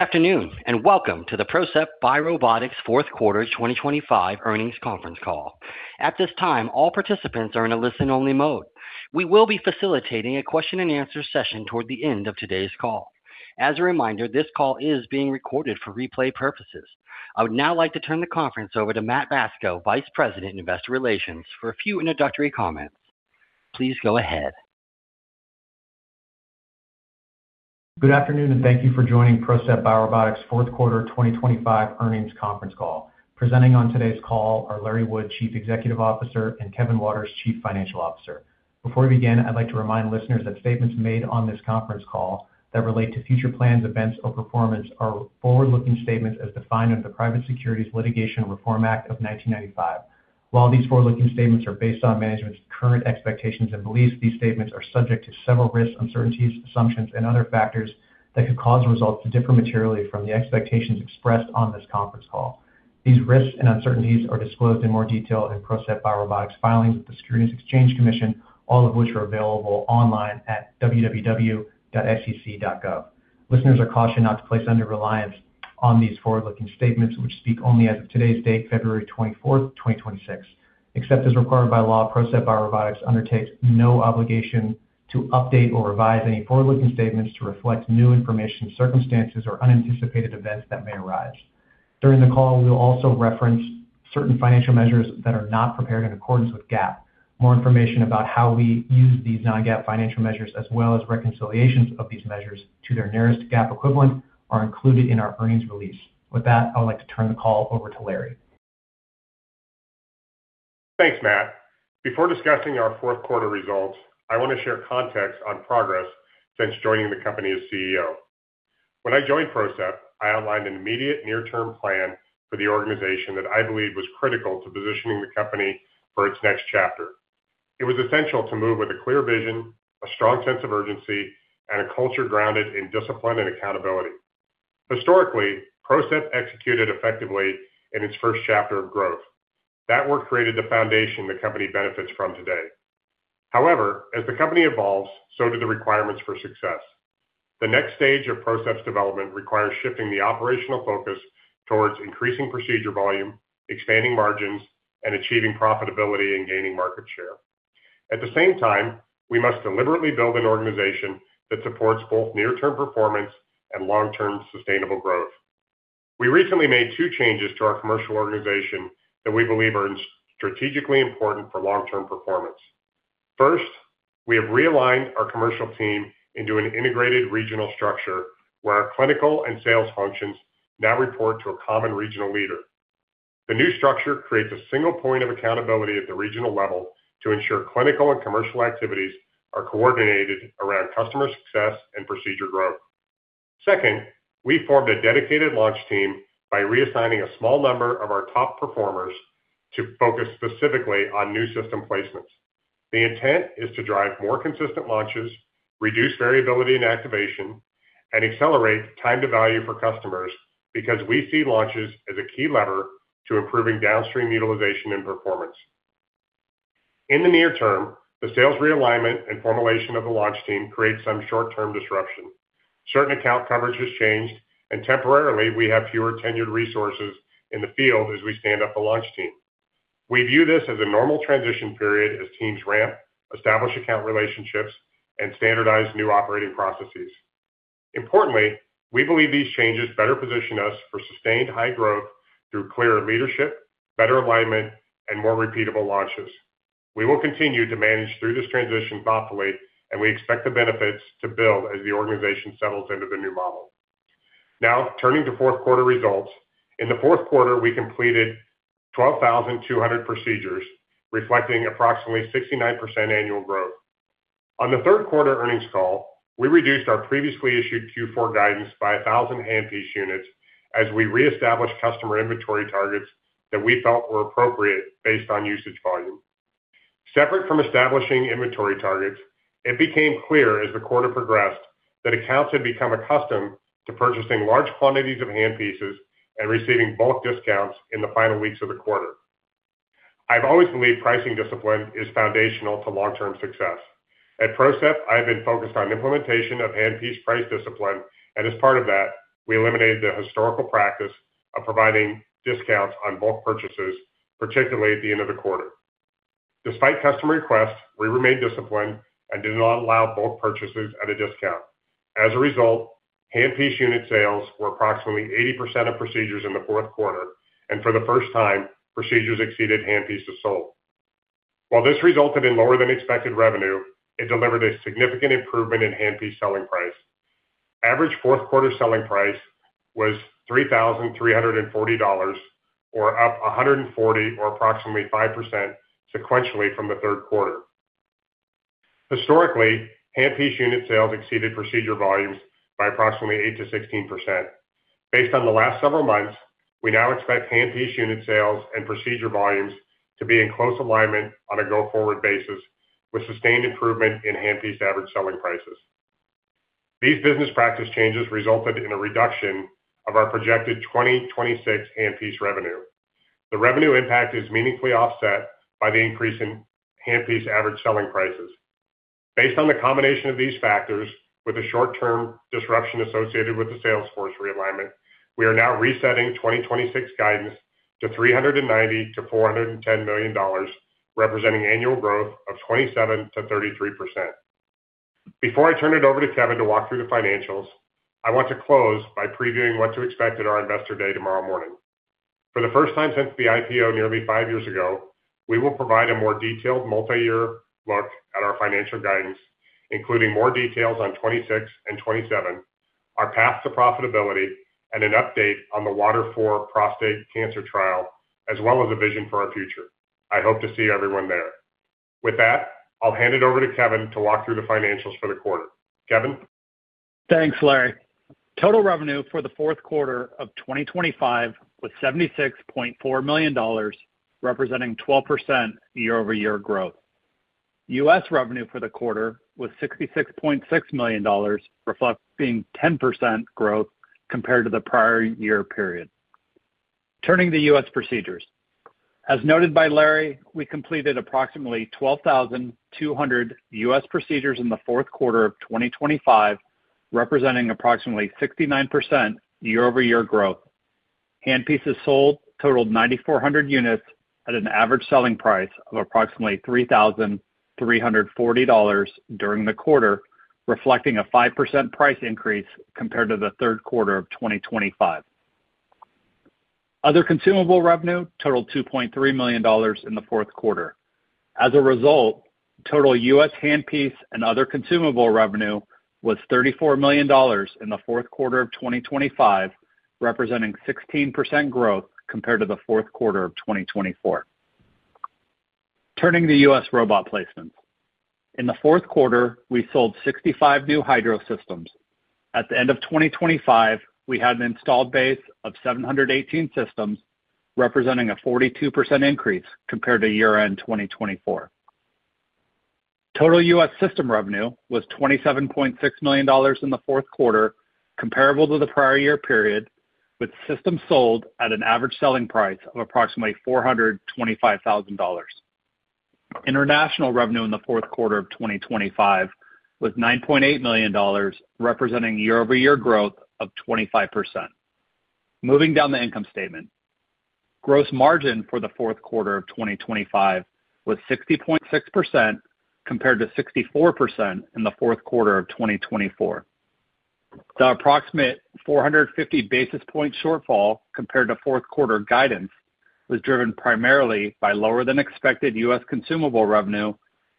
Good afternoon, welcome to the PROCEPT BioRobotics fourth quarter 2025 earnings conference call. At this time, all participants are in a listen-only mode. We will be facilitating a question-and-answer session toward the end of today's call. As a reminder, this call is being recorded for replay purposes. I would now like to turn the conference over to Matt Bacso, Vice President, Investor Relations, for a few introductory comments. Please go ahead. Good afternoon, and thank you for joining PROCEPT BioRobotics fourth quarter 2025 earnings conference call. Presenting on today's call are Larry Wood, Chief Executive Officer, and Kevin Waters, Chief Financial Officer. Before we begin, I'd like to remind listeners that statements made on this conference call that relate to future plans, events, or performance are forward-looking statements as defined under the Private Securities Litigation Reform Act of 1995. While these forward-looking statements are based on management's current expectations and beliefs, these statements are subject to several risks, uncertainties, assumptions, and other factors that could cause results to differ materially from the expectations expressed on this conference call. These risks and uncertainties are disclosed in more detail in PROCEPT BioRobotics filings with the Securities Exchange Commission, all of which are available online at www.sec.gov. Listeners are cautioned not to place under reliance on these forward-looking statements, which speak only as of today's date, February 24th, 2026. Except as required by law, PROCEPT BioRobotics undertakes no obligation to update or revise any forward-looking statements to reflect new information, circumstances, or unanticipated events that may arise. During the call, we'll also reference certain financial measures that are not prepared in accordance with GAAP. More information about how we use these non-GAAP financial measures, as well as reconciliations of these measures to their nearest GAAP equivalent, are included in our earnings release. I would like to turn the call over to Larry. Thanks, Matt. Before discussing our fourth quarter results, I want to share context on progress since joining the company as CEO. When I joined Procept, I outlined an immediate near-term plan for the organization that I believed was critical to positioning the company for its next chapter. It was essential to move with a clear vision, a strong sense of urgency, and a culture grounded in discipline and accountability. Historically, Procept executed effectively in its first chapter of growth. That work created the foundation the company benefits from today. As the company evolves, so do the requirements for success. The next stage of Procept's development requires shifting the operational focus towards increasing procedure volume, expanding margins, and achieving profitability and gaining market share. At the same time, we must deliberately build an organization that supports both near-term performance and long-term sustainable growth. We recently made two changes to our commercial organization that we believe are strategically important for long-term performance. First, we have realigned our commercial team into an integrated regional structure, where our clinical and sales functions now report to a common regional leader. The new structure creates a single point of accountability at the regional level to ensure clinical and commercial activities are coordinated around customer success and procedure growth. Second, we formed a dedicated launch team by reassigning a small number of our top performers to focus specifically on new system placements. The intent is to drive more consistent launches, reduce variability and activation, and accelerate time to value for customers, because we see launches as a key lever to improving downstream utilization and performance. In the near term, the sales realignment and formulation of the launch team creates some short-term disruption. Certain account coverage has changed, and temporarily, we have fewer tenured resources in the field as we stand up a launch team. We view this as a normal transition period as teams ramp, establish account relationships, and standardize new operating processes. Importantly, we believe these changes better position us for sustained high growth through clearer leadership, better alignment, and more repeatable launches. We will continue to manage through this transition thoughtfully, and we expect the benefits to build as the organization settles into the new model. Now, turning to fourth quarter results. In the fourth quarter, we completed 12,200 procedures, reflecting approximately 69% annual growth. On the third quarter earnings call, we reduced our previously issued Q4 guidance by 1,000 handpiece units as we reestablished customer inventory targets that we felt were appropriate based on usage volume. Separate from establishing inventory targets, it became clear as the quarter progressed that accounts had become accustomed to purchasing large quantities of handpieces and receiving bulk discounts in the final weeks of the quarter. I've always believed pricing discipline is foundational to long-term success. At PROCEPT, I've been focused on implementation of handpiece price discipline, and as part of that, we eliminated the historical practice of providing discounts on bulk purchases, particularly at the end of the quarter. Despite customer requests, we remained disciplined and did not allow bulk purchases at a discount. As a result, handpiece unit sales were approximately 80% of procedures in the fourth quarter, and for the first time, procedures exceeded handpieces sold. While this resulted in lower than expected revenue, it delivered a significant improvement in handpiece selling price. Average fourth quarter selling price was $3,340, or up $140, or approximately 5% sequentially from the third quarter. Historically, handpiece unit sales exceeded procedure volumes by approximately 8%-16%. Based on the last several months, we now expect handpiece unit sales and procedure volumes to be in close alignment on a go-forward basis, with sustained improvement in handpiece average selling prices. These business practice changes resulted in a reduction of our projected 2026 handpiece revenue. The revenue impact is meaningfully offset by the increase in handpiece average selling prices. Based on the combination of these factors, with the short-term disruption associated with the salesforce realignment, we are now resetting 2026 guidance to $390 million-$410 million, representing annual growth of 27%-33%. Before I turn it over to Kevin to walk through the financials, I want to close by previewing what to expect at our Investor Day tomorrow morning. For the first time since the IPO nearly five years ago, we will provide a more detailed multi-year look at our financial guidance, including more details on 2026 and 2027, our path to profitability, and an update on the WATER IV prostate cancer trial, as well as a vision for our future. I hope to see everyone there. With that, I'll hand it over to Kevin to walk through the financials for the quarter. Kevin? Thanks, Larry. Total revenue for the fourth quarter of 2025 was $76.4 million, representing 12% year-over-year growth. U.S. revenue for the quarter was $66.6 million, reflecting 10% growth compared to the prior year period. Turning to U.S. procedures. As noted by Larry, we completed approximately 12,200 U.S. procedures in the fourth quarter of 2025, representing approximately 69% year-over-year growth. handpieces sold totaled 9,400 units at an average selling price of approximately $3,340 during the quarter, reflecting a 5% price increase compared to the third quarter of 2025. Other consumable revenue totaled $2.3 million in the fourth quarter. As a result, total U.S. handpiece and other consumable revenue was $34 million in the fourth quarter of 2025, representing 16% growth compared to the fourth quarter of 2024. Turning to U.S. robot placements. In the fourth quarter, we sold 65 new HYDROS systems. At the end of 2025, we had an installed base of 718 systems, representing a 42% increase compared to year-end 2024. Total U.S. system revenue was $27.6 million in the fourth quarter, comparable to the prior year period, with systems sold at an Average Selling Price of approximately $425,000. International revenue in the fourth quarter of 2025 was $9.8 million, representing year-over-year growth of 25%. Moving down the income statement. Gross margin for the fourth quarter of 2025 was 60.6%, compared to 64% in the fourth quarter of 2024. The approximate 450 basis point shortfall compared to fourth quarter guidance was driven primarily by lower-than-expected U.S. consumable revenue,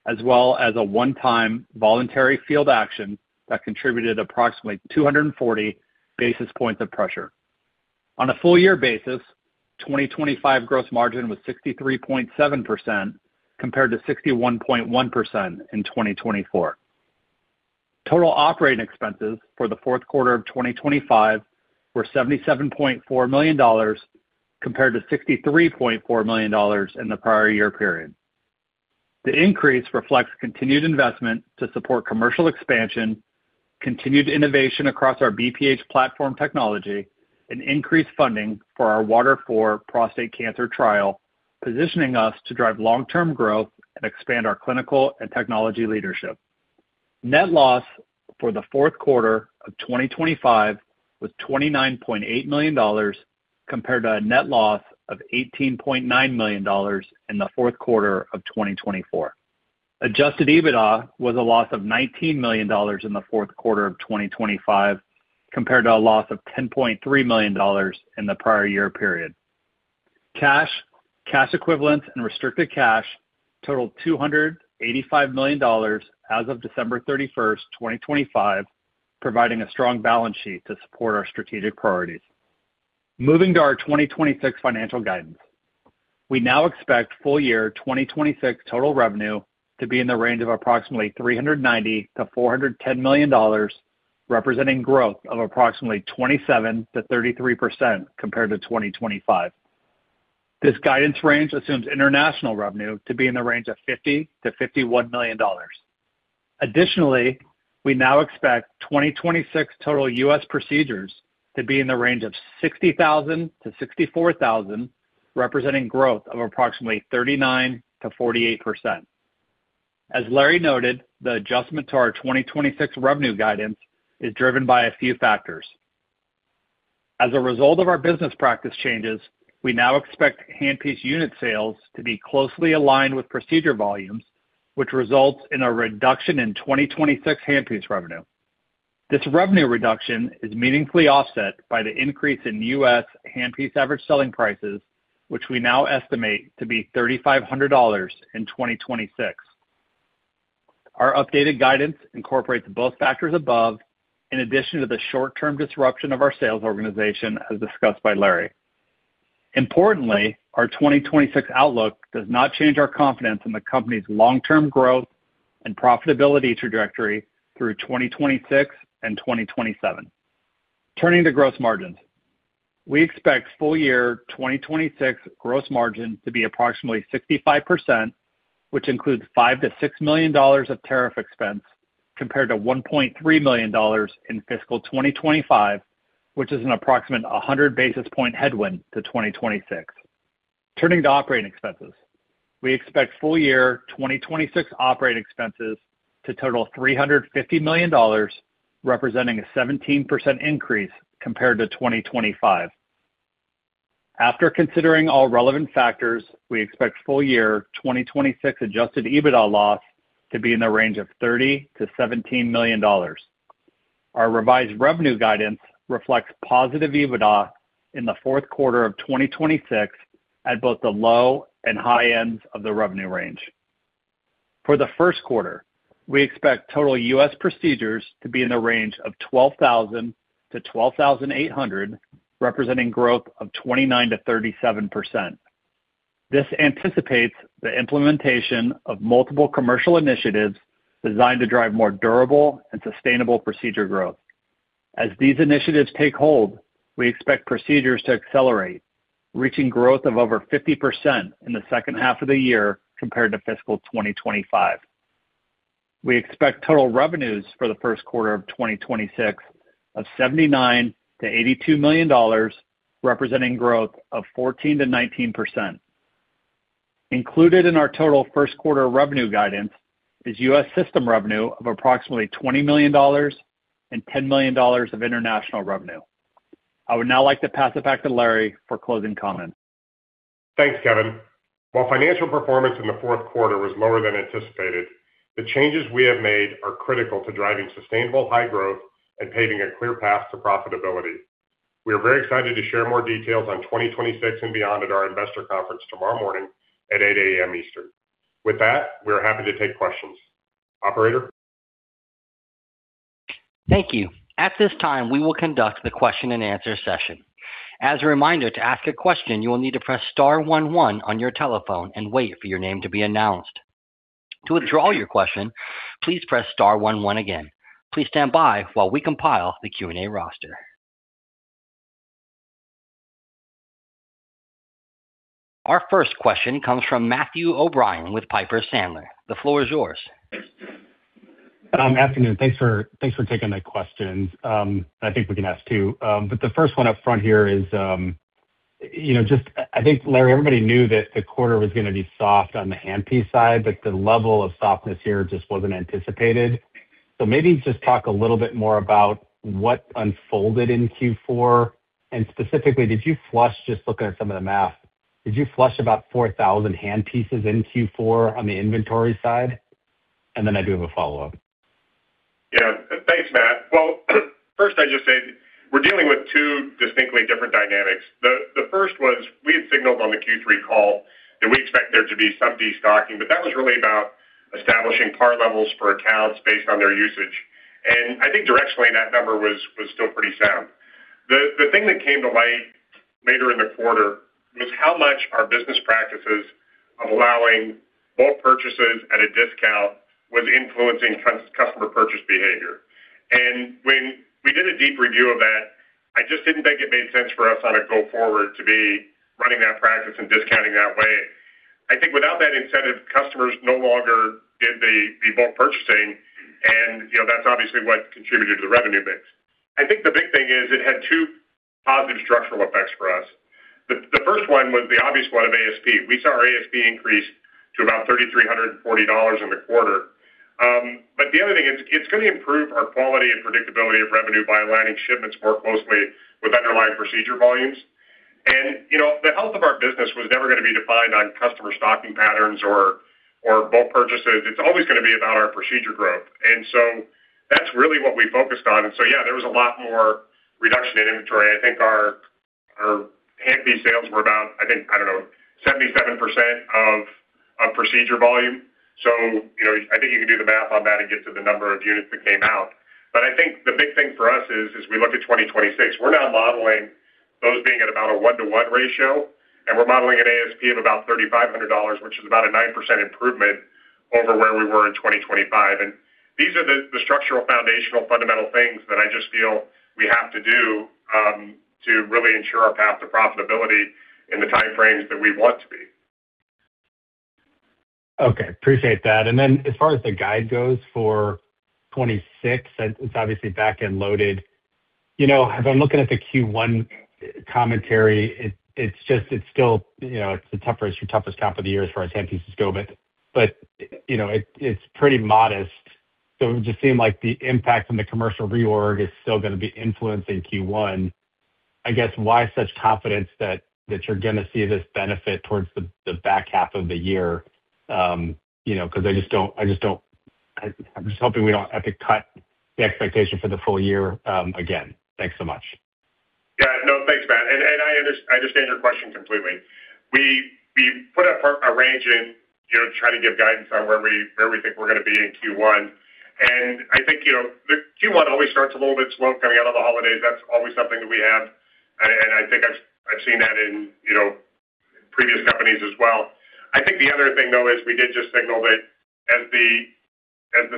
as well as a one-time voluntary field action that contributed approximately 240 basis points of pressure. On a full year basis, 2025 gross margin was 63.7%, compared to 61.1% in 2024. Total operating expenses for the fourth quarter of 2025 were $77.4 million, compared to $63.4 million in the prior year period. The increase reflects continued investment to support commercial expansion, continued innovation across our BPH platform technology, and increased funding for our WATER IV prostate cancer trial, positioning us to drive long-term growth and expand our clinical and technology leadership. Net loss for the fourth quarter of 2025 was $29.8 million, compared to a net loss of $18.9 million in the fourth quarter of 2024. Adjusted EBITDA was a loss of $19 million in the fourth quarter of 2025, compared to a loss of $10.3 million in the prior year period. Cash, cash equivalents and restricted cash totaled $285 million as of December 31st, 2025, providing a strong balance sheet to support our strategic priorities. Moving to our 2026 financial guidance. We now expect full year 2026 total revenue to be in the range of approximately $390 million-$410 million, representing growth of approximately 27%-33% compared to 2025. This guidance range assumes international revenue to be in the range of $50 million-$51 million. Additionally, we now expect 2026 total U.S. procedures to be in the range of 60,000-64,000, representing growth of approximately 39%-48%. As Larry noted, the adjustment to our 2026 revenue guidance is driven by a few factors. As a result of our business practice changes, we now expect handpiece unit sales to be closely aligned with procedure volumes, which results in a reduction in 2026 handpiece revenue. This revenue reduction is meaningfully offset by the increase in U.S. handpiece average selling prices, which we now estimate to be $3,500 in 2026. Our updated guidance incorporates both factors above, in addition to the short-term disruption of our sales organization, as discussed by Larry. Importantly, our 2026 outlook does not change our confidence in the company's long-term growth and profitability trajectory through 2026 and 2027. Turning to gross margins. We expect full year 2026 gross margin to be approximately 65%, which includes $5 million-$6 million of tariff expense, compared to $1.3 million in fiscal 2025, which is an approximate 100 basis point headwind to 2026. Turning to operating expenses. We expect full year 2026 operating expenses to total $350 million, representing a 17% increase compared to 2025. After considering all relevant factors, we expect full year 2026 Adjusted EBITDA loss to be in the range of $30 million-$17 million. Our revised revenue guidance reflects positive EBITDA in the fourth quarter of 2026 at both the low and high ends of the revenue range. For the first quarter, we expect total U.S. procedures to be in the range of 12,000-12,800, representing growth of 29%-37%. This anticipates the implementation of multiple commercial initiatives designed to drive more durable and sustainable procedure growth. As these initiatives take hold, we expect procedures to accelerate, reaching growth of over 50% in the second half of the year compared to fiscal 2025. We expect total revenues for the first quarter of 2026 of $79 million-$82 million, representing growth of 14%-19%. Included in our total first quarter revenue guidance is U.S. system revenue of approximately $20 million and $10 million of international revenue. I would now like to pass it back to Larry for closing comments. Thanks, Kevin. While financial performance in the fourth quarter was lower than anticipated, the changes we have made are critical to driving sustainable high growth and paving a clear path to profitability. We are very excited to share more details on 2026 and beyond at our investor conference tomorrow morning at 8:00 A.M. Eastern. With that, we are happy to take questions. Operator? Thank you. At this time, we will conduct the question-and-answer session. As a reminder, to ask a question, you will need to press star one one on your telephone and wait for your name to be announced. To withdraw your question, please press star one one again. Please stand by while we compile the Q&A roster. Our first question comes from Matthew O'Brien with Piper Sandler. The floor is yours. Afternoon. Thanks for taking the questions. I think we can ask two. The first one up front here is, you know, just I think, Larry Wood, everybody knew that the quarter was going to be soft on the handpiece side, but the level of softness here just wasn't anticipated. Maybe just talk a little bit more about what unfolded in Q4. Specifically, did you flush, just looking at some of the math, did you flush about 4,000 handpieces in Q4 on the inventory side? I do have a follow-up. Thanks, Matt. Well, first, I just say we're dealing with two distinctly different dynamics. The first was we had signaled on the Q3 call that we expect there to be some destocking, but that was really about establishing par levels for accounts based on their usage. I think directionally, that number was still pretty sound. The thing that came to light later in the quarter was how much our business practices of allowing bulk purchases at a discount was influencing trans- customer purchase behavior. When we did a deep review of that, I just didn't think it made sense for us on a go-forward to be running that practice and discounting that way. I think without that incentive, customers no longer did they be bulk purchasing, and, you know, that's obviously what contributed to the revenue mix. I think the big thing is it had two positive structural effects for us. The first one was the obvious one of ASP. We saw our ASP increase to about $3,340 in the quarter. The other thing, it's going to improve our quality and predictability of revenue by aligning shipments more closely with underlying procedure volumes. You know, the health of our business was never going to be defined on customer stocking patterns or bulk purchases. It's always going to be about our procedure growth, that's really what we focused on. Yeah, there was a lot more reduction in inventory. I think our handpiece sales were about, I think, I don't know, 77% of procedure volume. You know, I think you can do the math on that and get to the number of units that came out. I think the big thing for us is, as we look at 2026, we're now modeling those being at about a one-to-one ratio, and we're modeling an ASP of about $3,500, which is about a 9% improvement over where we were in 2025. These are the structural, foundational, fundamental things that I just feel we have to do to really ensure our path to profitability in the time frames that we want to be. Okay, appreciate that. As far as the guide goes for 2026, it's obviously back-end loaded. You know, as I'm looking at the Q1 commentary, it's just, it's still, you know, it's the toughest half of the year as far as handpieces go, but, you know, it's pretty modest. It just seemed like the impact on the commercial reorg is still going to be influencing Q1. I guess, why such confidence that you're going to see this benefit towards the back half of the year? You know, because I just don't I'm just hoping we don't have to cut the expectation for the full year again. Thanks so much. Yeah. No, thanks, Matt. I understand your question completely. We put a range in, you know, to try to give guidance on where we think we're going to be in Q1. I think, you know, the Q1 always starts a little bit slow coming out of the holidays. That's always something that we have, and I think I've seen that in, you know, previous companies as well. I think the other thing, though, is we did just signal that as the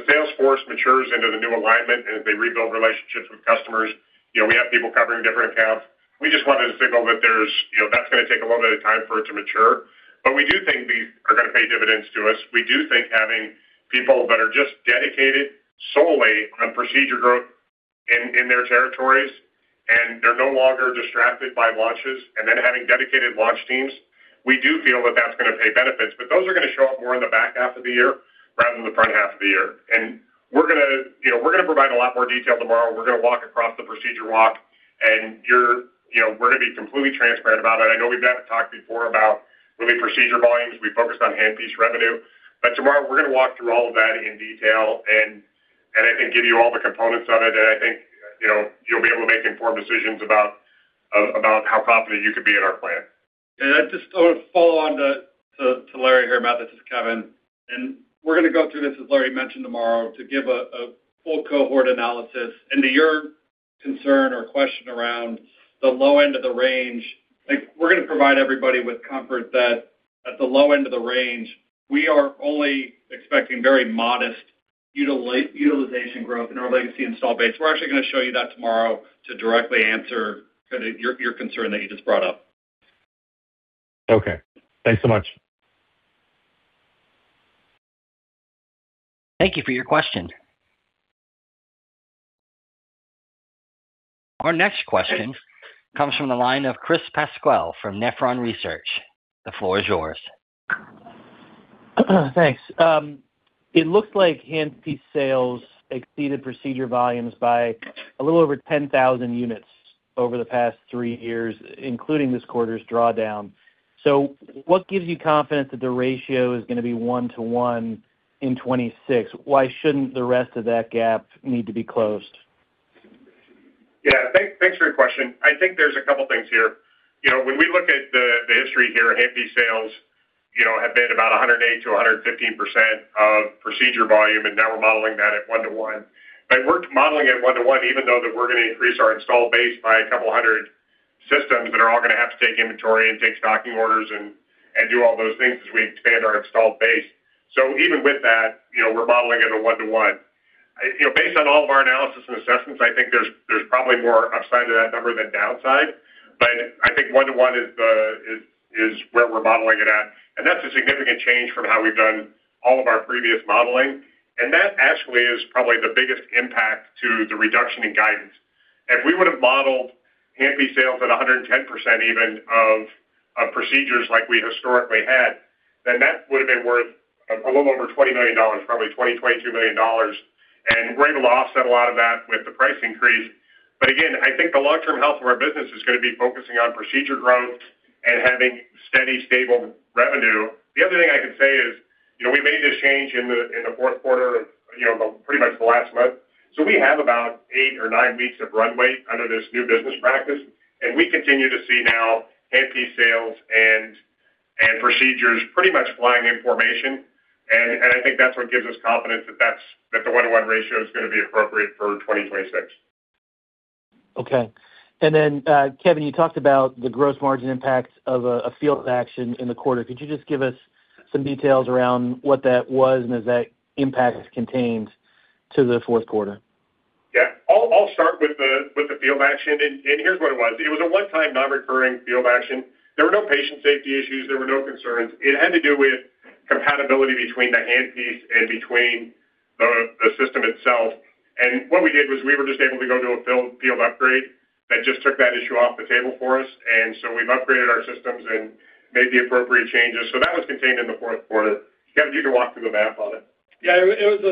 sales force matures into the new alignment and as they rebuild relationships with customers, you know, we have people covering different accounts. We just wanted to signal that there's, you know, that's going to take a little bit of time for it to mature. We do think these are going to pay dividends to us. We do think having people that are just dedicated solely on procedure growth in their territories, and they're no longer distracted by launches, and then having dedicated launch teams, we do feel that that's going to pay benefits, but those are going to show up more in the back half of the year rather than the front half of the year. We're gonna, you know, we're gonna provide a lot more detail tomorrow. We're going to walk across the procedure walk, you know, we're going to be completely transparent about it. I know we've had a talk before about really procedure volumes. We focused on handpiece revenue, but tomorrow, we're going to walk through all of that in detail, and I think give you all the components of it. I think, you know, you'll be able to make informed decisions about how confident you could be in our plan. I just want to follow on to Larry here, Matt, this is Kevin, and we're going to go through this, as Larry mentioned tomorrow, to give a full cohort analysis into your concern or question around the low end of the range. I think we're going to provide everybody with comfort that at the low end of the range, we are only expecting very modest utilization growth in our legacy install base. We're actually going to show you that tomorrow to directly answer kind of your concern that you just brought up. Okay, thanks so much. Thank you for your question. Our next question comes from the line of Chris Pasquale from Nephron Research. The floor is yours. Thanks. It looks like handpiece sales exceeded procedure volumes by a little over 10,000 units over the past three years, including this quarter's drawdown. What gives you confidence that the ratio is going to be one-to-one in 2026? Why shouldn't the rest of that gap need to be closed? Yeah, thanks for your question. I think there's a couple of things here. You know, when we look at the history here, handpiece sales, you know, have been about 108%-115% of procedure volume, and now we're modeling that at one-to-one. We're modeling it one-to-one, even though that we're going to increase our installed base by a couple of 100 systems that are all going to have to take inventory and take stocking orders and do all those things as we expand our installed base. Even with that, you know, we're modeling it a one-to-one. You know, based on all of our analysis and assessments, I think there's probably more upside to that number than downside, but I think one-to-one is where we're modeling it at, and that's a significant change from how we've done all of our previous modeling. That actually is probably the biggest impact to the reduction in guidance. If we would have modeled handpiece sales at 110% even of procedures like we historically had, then that would have been worth a little over $20 million, probably $20 million-$22 million. We're able to offset a lot of that with the price increase. Again, I think the long-term health of our business is going to be focusing on procedure growth and having steady, stable revenue. The other thing I can say is, you know, we made this change in the, in the fourth quarter of, you know, pretty much the last month. We have about eight or nine weeks of runway under this new business practice, and we continue to see now handpiece sales and procedures pretty much flying in formation. I think that's what gives us confidence that the one-to-one ratio is going to be appropriate for 2026. Okay. Kevin, you talked about the gross margin impact of a field action in the quarter. Could you just give us some details around what that was and as that impact is contained to the fourth quarter? Yeah, I'll start with the field action, and here's what it was. It was a one-time, non-recurring field action. There were no patient safety issues. There were no concerns. It had to do with compatibility between the handpiece and between the system itself. What we did was we were just able to go to a field upgrade that just took that issue off the table for us. We've upgraded our systems and made the appropriate changes. That was contained in the fourth quarter. Kevin, do you want to walk through the math on it? Yeah, it was,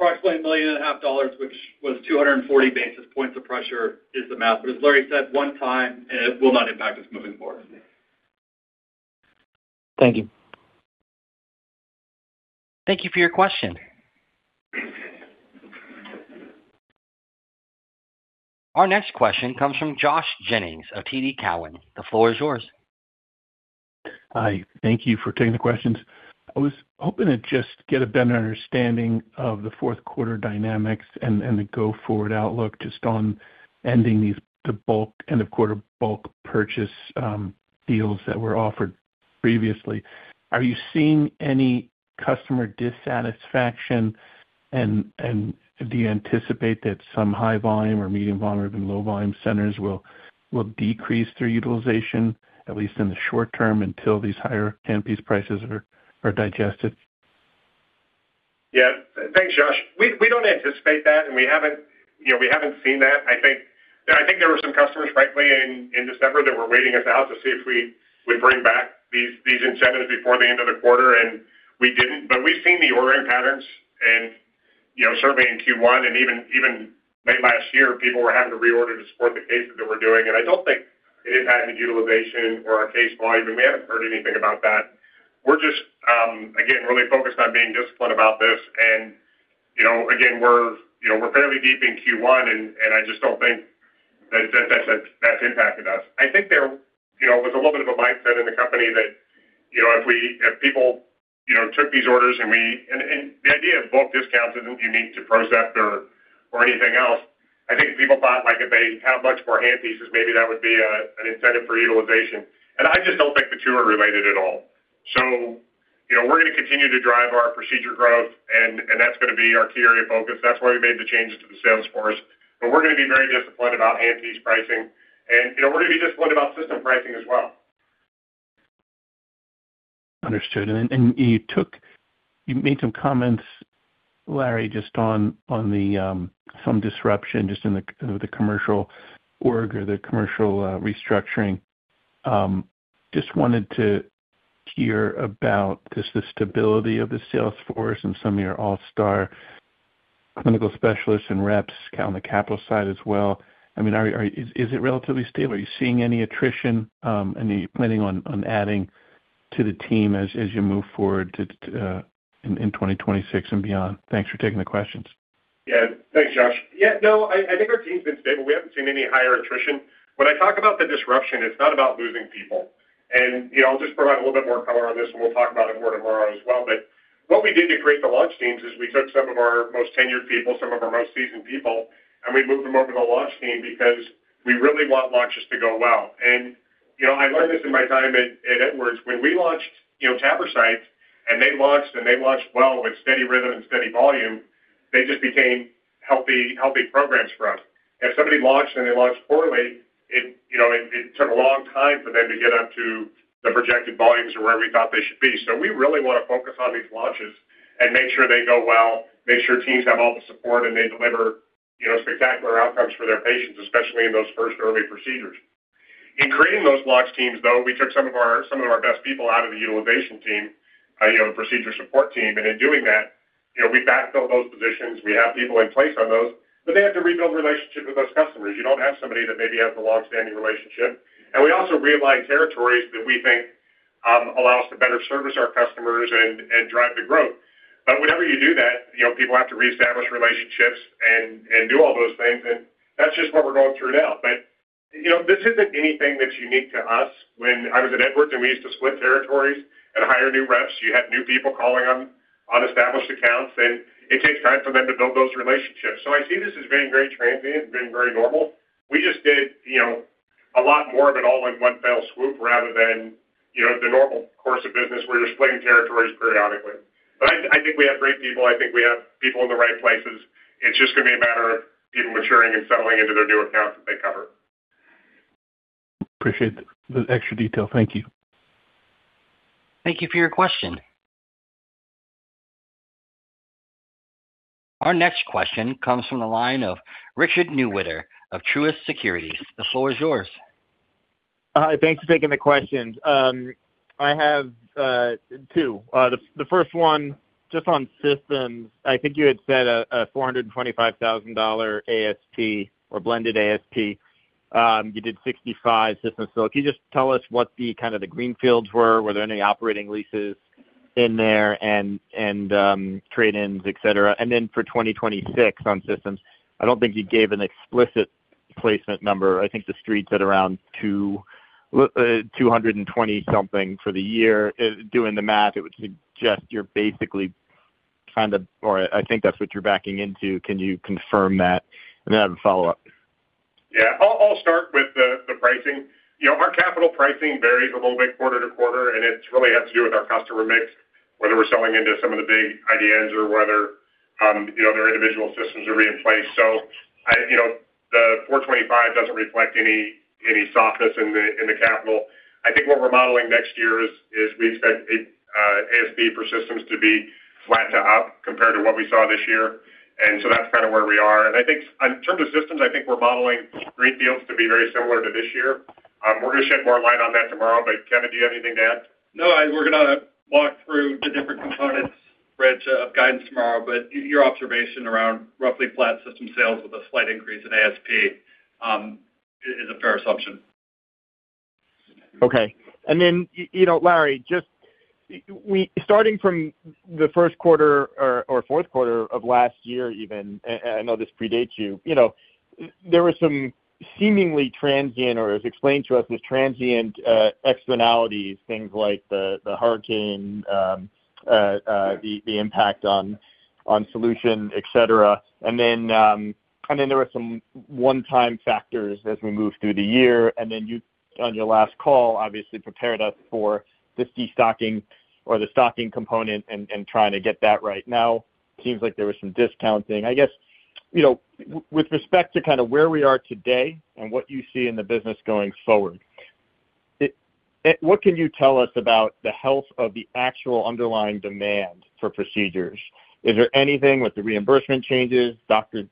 approximately $1.5 million, which was 240 basis points of pressure is the math. As Larry said, one time, and it will not impact us moving forward. Thank you. Thank you for your question. Our next question comes from Josh Jennings of TD Cowen. The floor is yours. Hi. Thank you for taking the questions. I was hoping to just get a better understanding of the fourth quarter dynamics and the go-forward outlook, just on ending these end of quarter bulk purchase deals that were offered previously. Are you seeing any customer dissatisfaction? Do you anticipate that some high volume or medium volume and low volume centers will decrease their utilization, at least in the short term, until these higher handpiece prices are digested? Yeah. Thanks, Josh. We don't anticipate that. We haven't, you know, we haven't seen that. I think there were some customers, frankly, in December that were waiting us out to see if we would bring back these incentives before the end of the quarter. We didn't. We've seen the ordering patterns. You know, certainly in Q1 and even late last year, people were having to reorder to support the cases that we're doing. I don't think it had any utilization or our case volume. We haven't heard anything about that. We're just again, really focused on being disciplined about this. You know, again, we're fairly deep in Q1, and I just don't think that's impacted us. I think there, you know, was a little bit of a mindset in the company that, you know, if we, if people, you know, took these orders and the idea of bulk discounts isn't unique to PROCEPT or anything else. I think people thought, like, if they have much more handpieces, maybe that would be an incentive for utilization. I just don't think the two are related at all. You know, we're going to continue to drive our procedure growth, and that's going to be our key area of focus. That's why we made the changes to the sales force. We're going to be very disciplined about handpiece pricing, and, you know, we're going to be disciplined about system pricing as well. Understood. You took, you made some comments, Larry, just on the some disruption just in the commercial org or the commercial restructuring. Just wanted to hear about just the stability of the sales force and some of your all-star clinical specialists and reps on the capital side as well. I mean, are, is it relatively stable? Are you seeing any attrition, and are you planning on adding to the team as you move forward to in 2026 and beyond? Thanks for taking the questions. Yeah. Thanks, Josh. Yeah, no, I think our team's been stable. We haven't seen any higher attrition. When I talk about the disruption, it's not about losing people. You know, I'll just provide a little bit more color on this, and we'll talk about it more tomorrow as well. What we did to create the launch teams is we took some of our most tenured people, some of our most seasoned people, and we moved them over to the launch team because we really want launches to go well. You know, I learned this in my time at Edwards. When we launched, you know, Taparite, and they launched, and they launched well with steady rhythm and steady volume, they just became healthy programs for us. If somebody launched and they launched poorly, it, you know, it took a long time for them to get up to the projected volumes or wherever we thought they should be. We really want to focus on these launches and make sure they go well, make sure teams have all the support and they deliver, you know, spectacular outcomes for their patients, especially in those first early procedures. In creating those launch teams, though, we took some of our best people out of the utilization team, you know, the procedure support team. In doing that, you know, we backfilled those positions. We have people in place on those, but they have to rebuild relationships with those customers. You don't have somebody that maybe has a long-standing relationship. We also realigned territories that we think, allow us to better service our customers and drive the growth. Whenever you do that, you know, people have to reestablish relationships and do all those things, and that's just what we're going through now. You know, this isn't anything that's unique to us. When I was at Edwards, and we used to split territories and hire new reps, you had new people calling on unestablished accounts, and it takes time for them to build those relationships. I see this as being very transient, being very normal. We just did, you know, a lot more of it all in one fell swoop rather than, you know, the normal course of business where you're splitting territories periodically. I think we have great people. I think we have people in the right places. It's just going to be a matter of people maturing and settling into their new accounts that they cover. Appreciate the extra detail. Thank you. Thank you for your question. Our next question comes from the line of Richard Newitter of Truist Securities. The floor is yours. Thanks for taking the questions. I have two. The first one, just on systems, I think you had said a $425,000 ASP or blended ASP. You did 65 systems. Can you just tell us what the kind of the greenfields were? Were there any operating leases in there and trade-ins, et cetera? Then for 2026 on systems, I don't think you gave an explicit placement number. I think the street said around 220 something for the year. Doing the math, it would suggest you're basically kind of, or I think that's what you're backing into. Can you confirm that? Then I have a follow-up. Yeah. I'll start with the pricing. You know, our capital pricing varies a little bit quarter to quarter. It really has to do with our customer mix, whether we're selling into some of the big IDNs or whether, you know, their individual systems are being placed. I, you know, the $425 doesn't reflect any softness in the capital. I think what we're modeling next year is we expect ASP for systems to be flat to up compared to what we saw this year, that's kind of where we are. I think in terms of systems, I think we're modeling greenfields to be very similar to this year. We're going to shed more light on that tomorrow. Kevin, do you have anything to add? No, we're going to walk through the different components, Rich, of guidance tomorrow, but your observation around roughly flat system sales with a slight increase in ASP, is a fair assumption. Okay. Then, you know Larry, just, starting from the first quarter or fourth quarter of last year even, I know this predates you know, there were some seemingly transient, or it was explained to us, as transient, externalities, things like the hurricane, the impact on solution, et cetera. Then, there were some one-time factors as we moved through the year, and then you, on your last call, obviously prepared us for the destocking or the stocking component and trying to get that right. Seems like there was some discounting. I guess, you know, with respect to kind of where we are today and what you see in the business going forward, it, what can you tell us about the health of the actual underlying demand for procedures? Is there anything with the reimbursement changes, doctor,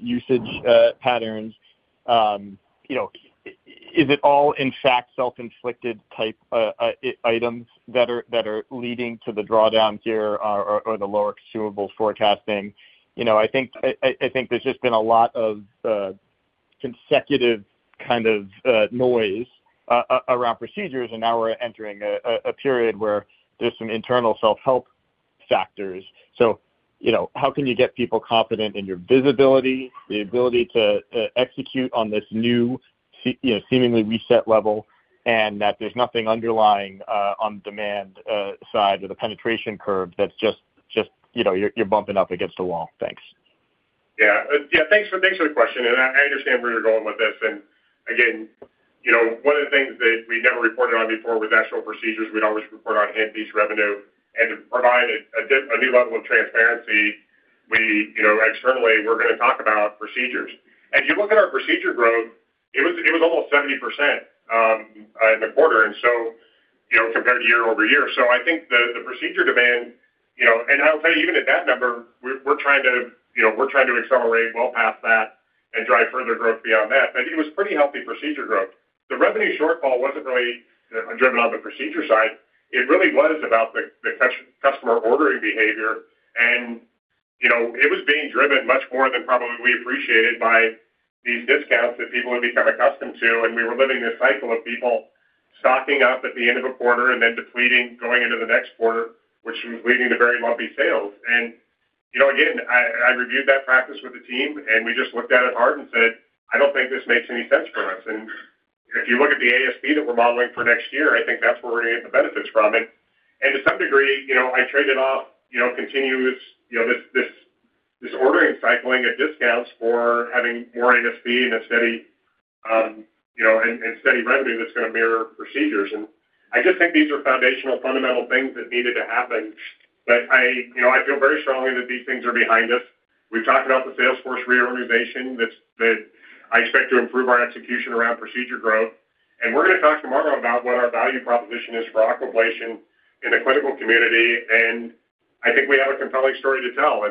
usage patterns? You know, is it all in fact self-inflicted type items that are leading to the drawdown here or the lower consumable forecasting? You know, I think there's just been a lot of consecutive kind of noise around procedures, and now we're entering a period where there's a internal self-help factors. You know, how can you get people confident in your visibility, the ability to execute on this new, you know, seemingly reset level, and that there's nothing underlying on demand side or the penetration curve that's just, you know, bumping up against the wall? Thanks. Yeah, thanks for the question, I understand where you're going with this. Again, you know, one of the things that we never reported on before was actual procedures. We'd always report on handpiece revenue. To provide a new level of transparency, we, you know, externally, we're going to talk about procedures. If you look at our procedure growth, it was almost 70% in the quarter, you know, compared year-over-year. I think the procedure demand, you know, and I'll tell you, even at that number, we're trying to, you know, accelerate well past that and drive further growth beyond that. It was pretty healthy procedure growth. The revenue shortfall wasn't really driven on the procedure side. It really was about the customer ordering behavior, you know, it was being driven much more than probably we appreciated by these discounts that people had become accustomed to, and we were living this cycle of people stocking up at the end of a quarter and then depleting, going into the next quarter, which was leading to very lumpy sales. You know, again, I reviewed that practice with the team, and we just looked at it hard and said, "I don't think this makes any sense for us." If you look at the ASP that we're modeling for next year, I think that's where we're going to get the benefits from it. To some degree, you know, I traded off, you know, continuous, you know, this ordering, cycling at discounts for having more ASP and a steady, you know, and steady revenue that's going to mirror procedures. I just think these are foundational, fundamental things that needed to happen. I, you know, I feel very strongly that these things are behind us. We've talked about the sales force reorganization, that I expect to improve our execution around procedure growth. We're going to talk tomorrow about what our value proposition is for Aquablation in the clinical community, and I think we have a compelling story to tell.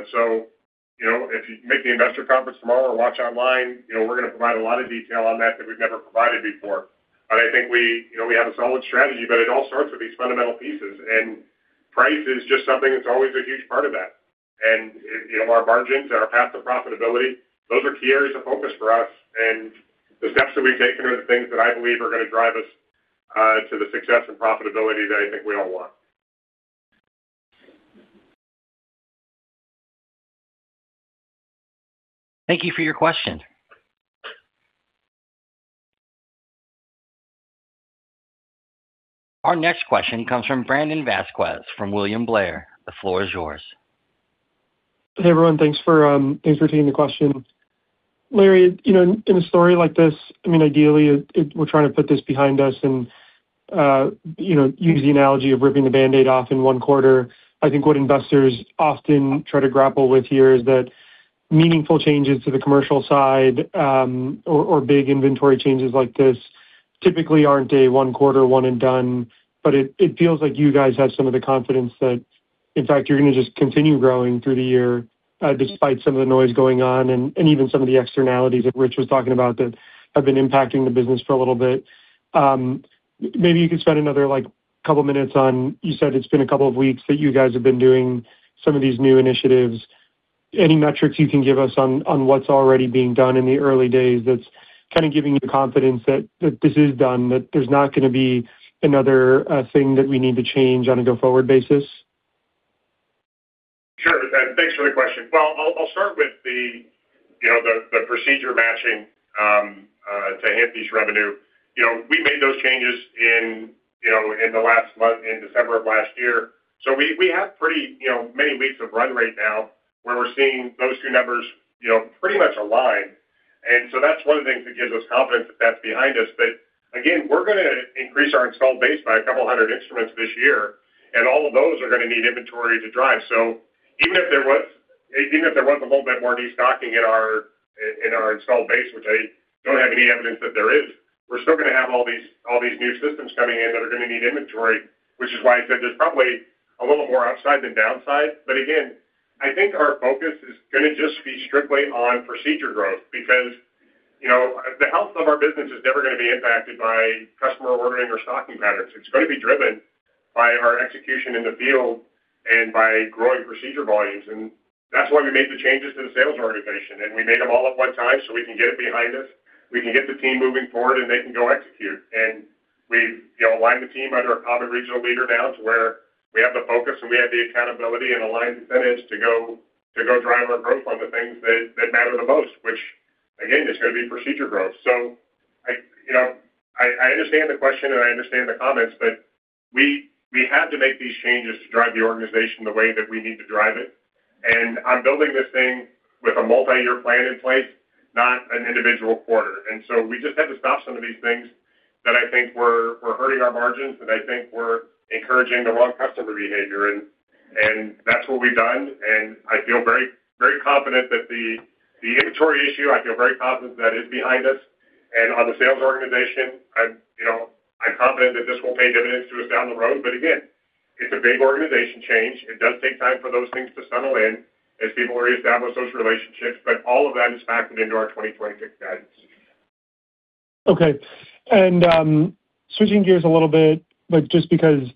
You know, if you make the investor conference tomorrow or watch online, you know, we're going to provide a lot of detail on that we've never provided before. I think we, you know, we have a solid strategy, but it all starts with these fundamental pieces, and price is just something that's always a huge part of that. You know, our margins and our path to profitability, those are key areas of focus for us, and the steps that we've taken are the things that I believe are going to drive us to the success and profitability that I think we all want. Thank you for your question. Our next question comes from Brandon Vazquez from William Blair. The floor is yours. Hey, everyone. Thanks for taking the question. Larry, you know, in a story like this, I mean, ideally, we're trying to put this behind us and, you know, use the analogy of ripping the Band-Aid off in one quarter. I think what investors often try to grapple with here is that meaningful changes to the commercial side, or big inventory changes like this, typically aren't a one quarter, one and done, but it feels like you guys have some of the confidence that, in fact, you're going to just continue growing through the year, despite some of the noise going on, and even some of the externalities that Rich was talking about, that have been impacting the business for a little bit. Maybe you could spend another, like, couple minutes on... You said it's been a couple of weeks that you guys have been doing some of these new initiatives. Any metrics you can give us on what's already being done in the early days, that's kind of giving you the confidence that this is done, that there's not going to be another thing that we need to change on a go-forward basis? Sure. Thanks for the question. Well, I'll start with the, you know, the procedure matching to Anthony's revenue. You know, we made those changes in, you know, in the last month, in December of last year. We have pretty, you know, many weeks of run rate now, where we're seeing those two numbers, you know, pretty much align. That's one of the things that gives us confidence that that's behind us. Again, we're gonna increase our installed base by a couple hundred instruments this year, and all of those are going to need inventory to drive. Even if there was, even if there was a little bit more destocking in our, in our installed base, which I don't have any evidence that there is, we're still going to have all these, all these new systems coming in that are going to need inventory, which is why I said there's probably a little more upside than downside. Again, I think our focus is going to just be strictly on procedure growth, because, you know, the health of our business is never going to be impacted by customer ordering or stocking patterns. It's going to be driven by our execution in the field and by growing procedure volumes. That's why we made the changes to the sales organization, and we made them all at one time, so we can get it behind us. We can get the team moving forward and they can go execute. We've, you know, aligned the team under a common regional leader now to where we have the focus and we have the accountability and aligned incentives to go drive our growth on the things that matter the most, which again, is going to be procedure growth. I, you know, I understand the question and I understand the comments, but we had to make these changes to drive the organization the way that we need to drive it. I'm building this thing with a multi-year plan in place, not an individual quarter. We just had to stop some of these things that I think were hurting our margins, and I think were encouraging the wrong customer behavior. That's what we've done, and I feel very confident that the inventory issue is behind us. On the sales organization, I'm, you know, I'm confident that this will pay dividends to us down the road. Again, it's a big organization change. It does take time for those things to settle in as people reestablish those relationships, all of that is factored into our 2026 guidance. Okay. Switching gears a little bit, but just because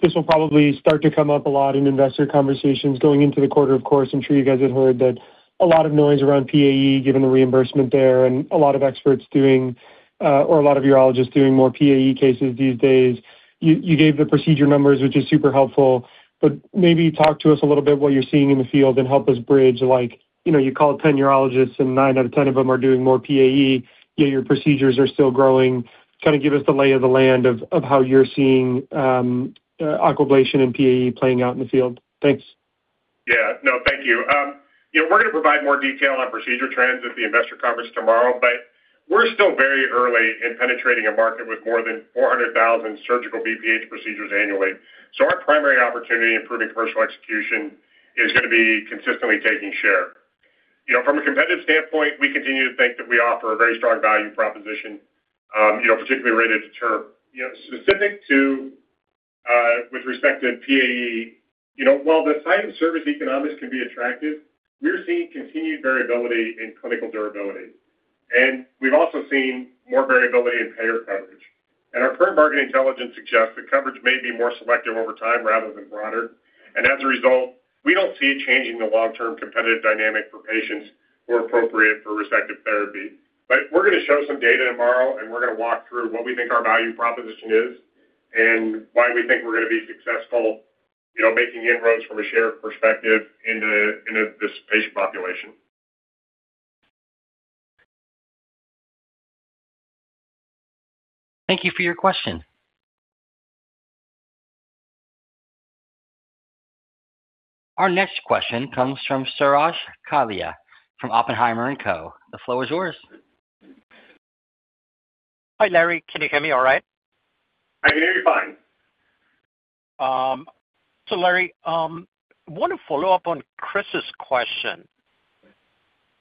this will probably start to come up a lot in investor conversations going into the quarter, of course, I'm sure you guys have heard that a lot of noise around PAE, given the reimbursement there, and a lot of experts doing, or a lot of urologists doing more PAE cases these days. You, you gave the procedure numbers, which is super helpful, but maybe talk to us a little bit what you're seeing in the field and help us bridge, like, you know, you call 10 urologists, and nine out of 10 of them are doing more PAE, yet your procedures are still growing. Kind of give us the lay of the land of how you're seeing Aquablation and PAE playing out in the field? Thanks. Yeah. No, thank you. You know, we're going to provide more detail on procedure trends at the investor conference tomorrow, but we're still very early in penetrating a market with more than 400,000 surgical BPH procedures annually. Our primary opportunity, improving commercial execution, is going to be consistently taking share. You know, from a competitive standpoint, we continue to think that we offer a very strong value proposition, you know, particularly related to TURP. You know, specific to with respect to PAE, you know, while the site and service economics can be attractive, we're seeing continued variability in clinical durability, and we've also seen more variability in payer coverage. Our current market intelligence suggests that coverage may be more selective over time rather than broader. As a result, we don't see it changing the long-term competitive dynamic for patients who are appropriate for respective therapy. We're gonna show some data tomorrow, and we're gonna walk through what we think our value proposition is and why we think we're gonna be successful, you know, making inroads from a share perspective into this patient population. Thank you for your question. Our next question comes from Suraj Kalia from Oppenheimer and Co. The floor is yours. Hi, Larry. Can you hear me all right? I can hear you fine. Larry, I want to follow up on Chris's question.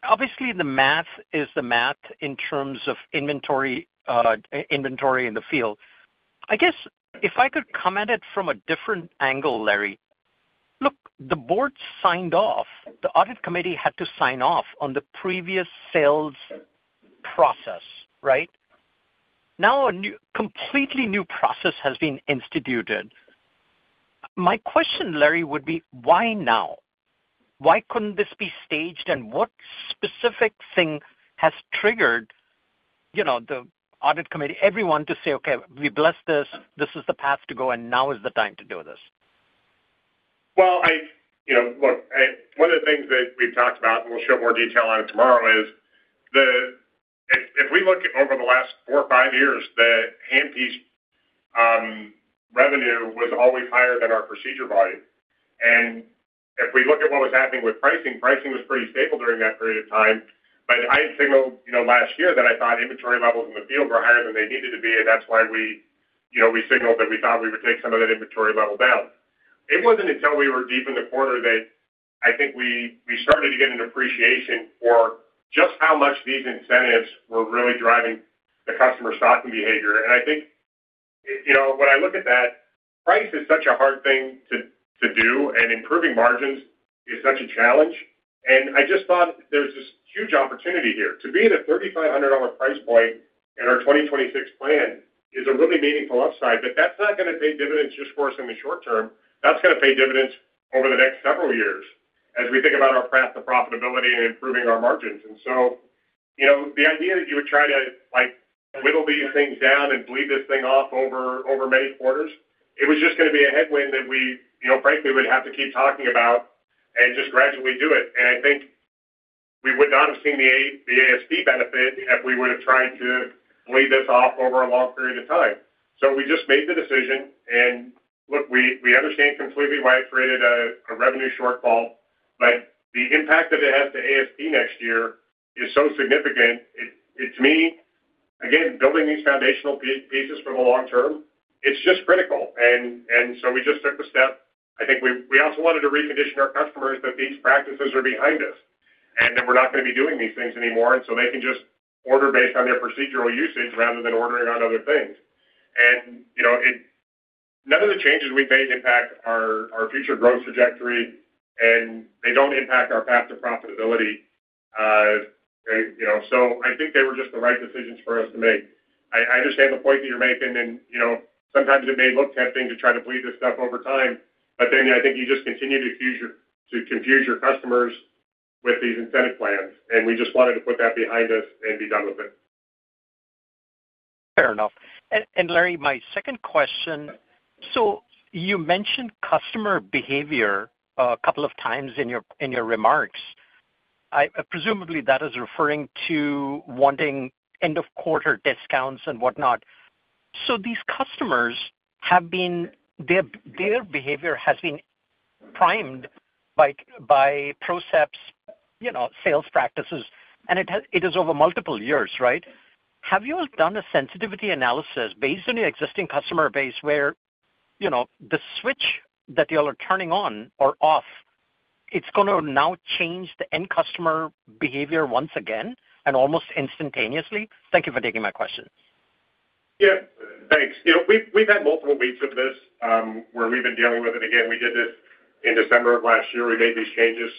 Obviously, the math is the math in terms of inventory in the field. I guess, if I could come at it from a different angle, Larry. Look, the board signed off, the audit committee had to sign off on the previous sales process, right? Now, a completely new process has been instituted. My question, Larry, would be, why now? Why couldn't this be staged, and what specific thing has triggered, you know, the audit committee, everyone to say, "Okay, we bless this. This is the path to go, and now is the time to do this? You know, look, I, one of the things that we've talked about, and we'll show more detail on it tomorrow, is if we look at over the last four or five years, the handpiece revenue was always higher than our procedure volume. If we look at what was happening with pricing was pretty stable during that period of time. I signaled, you know, last year that I thought inventory levels in the field were higher than they needed to be, and that's why we signaled that we thought we would take some of that inventory level down. It wasn't until we were deep in the quarter that I think we started to get an appreciation for just how much these incentives were really driving the customer stocking behavior. I think, you know, when I look at that, price is such a hard thing to do, and improving margins is such a challenge, and I just thought there's this huge opportunity here. To be at a $3,500 price point in our 2026 plan is a really meaningful upside, but that's not gonna pay dividends just for us in the short term. That's gonna pay dividends over the next several years as we think about our path to profitability and improving our margins. You know, the idea that you would try to, like, whittle these things down and bleed this thing off over many quarters, it was just gonna be a headwind that we, you know, frankly, would have to keep talking about and just gradually do it. I think we would not have seen the ASP benefit if we would have tried to bleed this off over a long period of time. We just made the decision, and look, we understand completely why it created a revenue shortfall, but the impact that it has to ASP next year is so significant. It, to me, again, building these foundational pieces for the long term, it's just critical. We just took the step. I think we also wanted to recondition our customers that these practices are behind us, and that we're not gonna be doing these things anymore, and so they can just order based on their procedural usage rather than ordering on other things. You know, it... None of the changes we've made impact our future growth trajectory, and they don't impact our path to profitability. You know, I think they were just the right decisions for us to make. I understand the point that you're making and, you know, sometimes it may look tempting to try to bleed this stuff over time, but then I think you just continue to confuse your customers with these incentive plans, and we just wanted to put that behind us and be done with it. Fair enough. Larry, my second question: You mentioned customer behavior a couple of times in your, in your remarks. presumably, that is referring to wanting end-of-quarter discounts and whatnot. These customers have been... Their behavior has been primed by PROCEPT's, you know, sales practices, and it is over multiple years, right? Have you all done a sensitivity analysis based on your existing customer base, where, you know, the switch that y'all are turning on or off, it's gonna now change the end customer behavior once again, and almost instantaneously? Thank you for taking my questions. Yeah, thanks. You know, we've had multiple beats of this, where we've been dealing with it. Again, we did this in December of last year, we made these changes.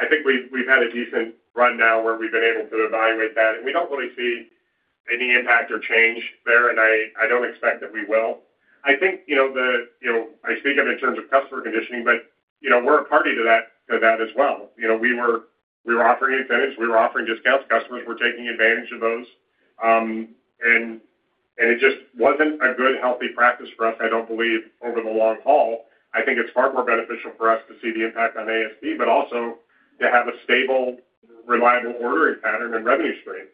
I think we've had a decent run now where we've been able to evaluate that, and we don't really see any impact or change there, and I don't expect that we will. I think, you know, I speak of in terms of customer conditioning, but, you know, we're a party to that as well. You know, we were, we were offering incentives, we were offering discounts. Customers were taking advantage of those, and it just wasn't a good, healthy practice for us, I don't believe, over the long haul. I think it's far more beneficial for us to see the impact on ASP, but also to have a stable, reliable ordering pattern and revenue stream.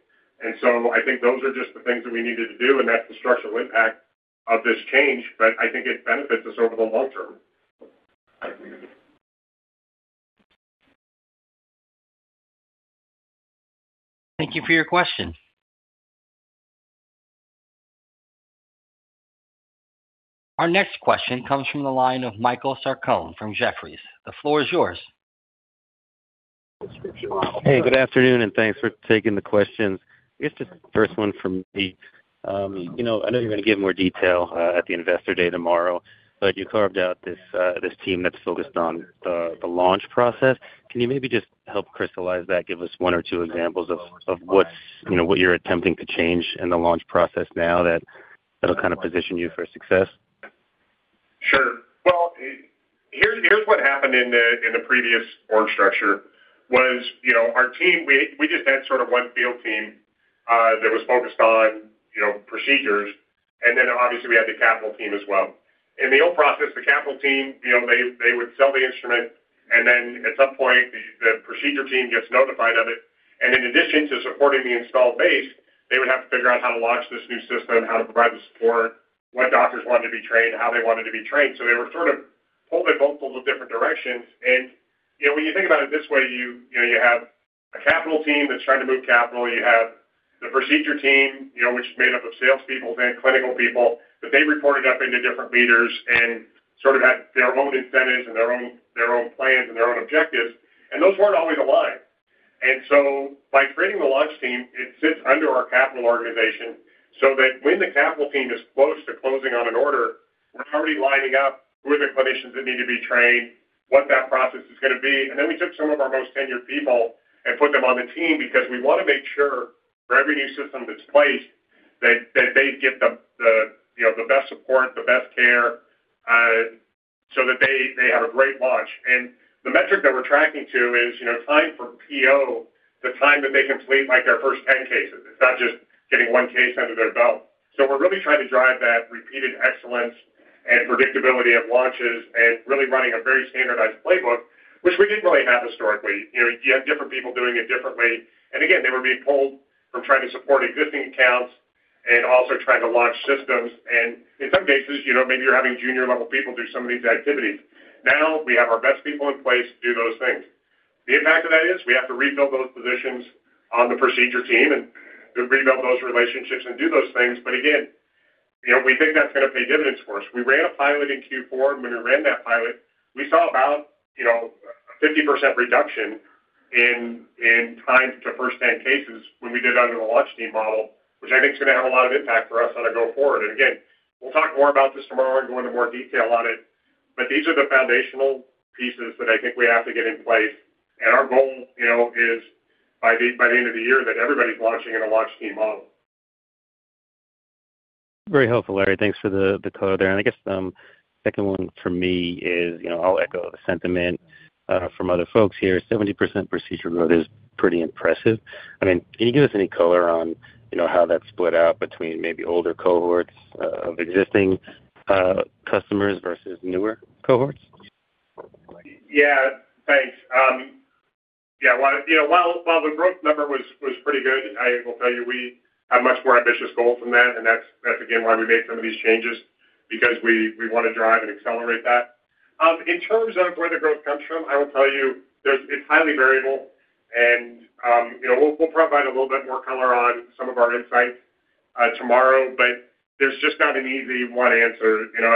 I think those are just the things that we needed to do, and that's the structural impact of this change, but I think it benefits us over the long term. Thank you for your question. Our next question comes from the line of Michael Sarcone from Jefferies. The floor is yours. Hey, good afternoon, and thanks for taking the questions. I guess the first one from me, you know, I know you're going to give more detail at the Investor Day tomorrow, but you carved out this team that's focused on the launch process. Can you maybe just help crystallize that? Give us one or two examples of what, you know, what you're attempting to change in the launch process now that'll kind of position you for success. Sure. Well, here's what happened in the previous org structure was, you know, our team, we just had sort of one field team that was focused on, you know, procedures, and then obviously, we had the capital team as well. In the old process, the capital team, you know, they would sell the instrument, and then at some point, the procedure team gets notified of it. In addition to supporting the installed base, they would have to figure out how to launch this new system, how to provide the support, what doctors wanted to be trained, how they wanted to be trained. They were sort of pulled in multiple different directions. You know, when you think about it this way, you know, you have a capital team that's trying to move capital. You have the procedure team, you know, which is made up of salespeople and clinical people, but they reported up into different leaders and sort of had their own incentives and their own plans, and their own objectives, and those weren't always aligned. By creating the launch team, it sits under our capital organization so that when the capital team is close to closing on an order, we're already lining up who are the clinicians that need to be trained, what that process is gonna be. We took some of our most tenured people and put them on the team because we want to make sure for every new system that's placed, that they get the, you know, the best support, the best care, so that they have a great launch. The metric that we're tracking to is, you know, time for PO, the time that they complete, like, their first 10 cases. It's not just getting one case under their belt. We're really trying to drive that repeated excellence and predictability of launches and really running a very standardized playbook, which we didn't really have historically. You know, you had different people doing it differently, and again, they were being pulled from trying to support existing accounts and also trying to launch systems, and in some cases, you know, maybe you're having junior-level people do some of these activities. We have our best people in place to do those things. The impact of that is we have to rebuild those positions on the procedure team and rebuild those relationships and do those things. Again, you know, we think that's gonna pay dividends for us. We ran a pilot in Q4, and when we ran that pilot, we saw about, you know, a 50% reduction in time to first 10 cases when we did it under the launch team model, which I think is gonna have a lot of impact for us on a go forward. Again, we'll talk more about this tomorrow and go into more detail on it, but these are the foundational pieces that I think we have to get in place. Our goal, you know, is by the, by the end of the year, that everybody's launching in a launch team model. Very helpful, Larry. Thanks for the color there. I guess, second one for me is, you know, I'll echo the sentiment from other folks here. 70% procedure growth is pretty impressive. I mean, can you give us any color on, you know, how that's split out between maybe older cohorts of existing customers versus newer cohorts? Yeah, thanks. Yeah, while, you know, while the growth number was pretty good, I will tell you, we have much more ambitious goals than that, and that's again, why we made some of these changes, because we want to drive and accelerate that. In terms of where the growth comes from, I will tell you there's, it's highly variable, and, you know, we'll provide a little bit more color on some of our insights tomorrow, but there's just not an easy one answer, you know.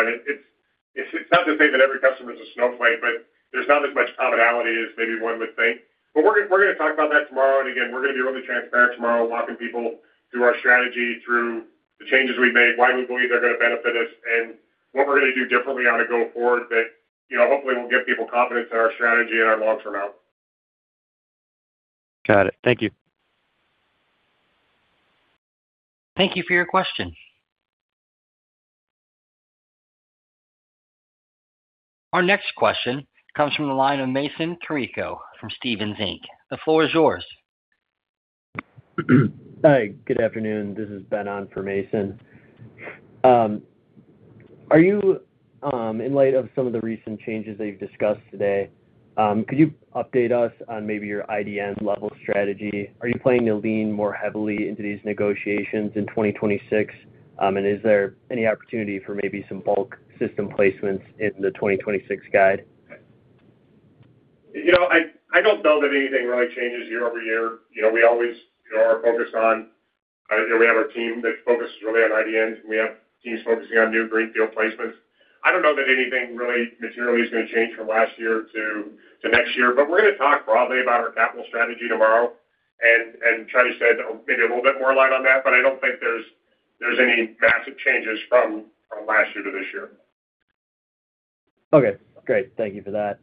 It's not to say that every customer is a snowflake, but there's not as much commonality as maybe one would think. We're gonna talk about that tomorrow, and again, we're gonna be really transparent tomorrow, walking people through our strategy, through the changes we've made, why we believe they're gonna benefit us, and what we're gonna do differently on a go forward that, you know, hopefully will give people confidence in our strategy and our long-term outcome. Got it. Thank you. Thank you for your question. Our next question comes from the line of Mason Carrico from Stephens Inc. The floor is yours. Hi, good afternoon. This is Ben on for Mason. Are you in light of some of the recent changes that you've discussed today, could you update us on maybe your IDN level strategy? Are you planning to lean more heavily into these negotiations in 2026? Is there any opportunity for maybe some bulk system placements in the 2026 guide? You know, I don't know that anything really changes year-over-year. You know, we always, you know, are focused on, you know, we have our team that focuses really on IDNs, we have teams focusing on new greenfield placements. I don't know that anything really materially is going to change from last year to next year, we're gonna talk broadly about our capital strategy tomorrow and try to shed maybe a little bit more light on that. I don't think there's any massive changes from last year to this year. Okay, great. Thank you for that.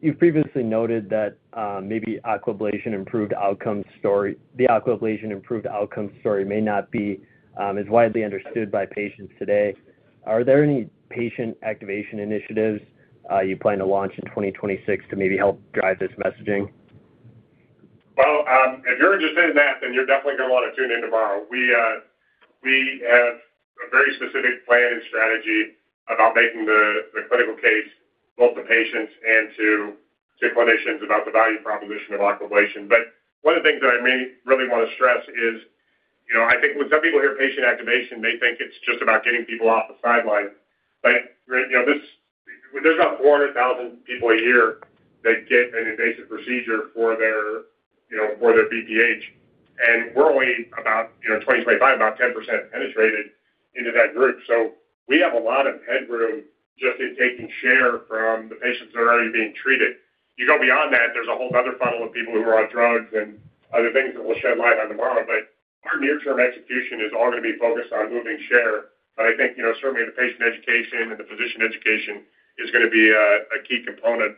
You've previously noted that maybe the Aquablation improved outcome story may not be as widely understood by patients today. Are there any patient activation initiatives you plan to launch in 2026 to maybe help drive this messaging? Well, if you're interested in that, then you're definitely gonna want to tune in tomorrow. We have a very specific plan and strategy about making the clinical case, both to patients and to clinicians about the value proposition of Aquablation. One of the things that I may really want to stress is, you know, I think when some people hear patient activation, they think it's just about getting people off the sideline. You know, there's about 400,000 people a year that get an invasive procedure for their, you know, for their BPH. We're only about, you know, 2025, about 10% penetrated into that group. We have a lot of headroom just in taking share from the patients that are already being treated. You go beyond that, there's a whole other funnel of people who are on drugs and other things that we'll shed light on tomorrow. Our near-term execution is all going to be focused on moving share. I think, you know, certainly the patient education and the physician education is going to be a key component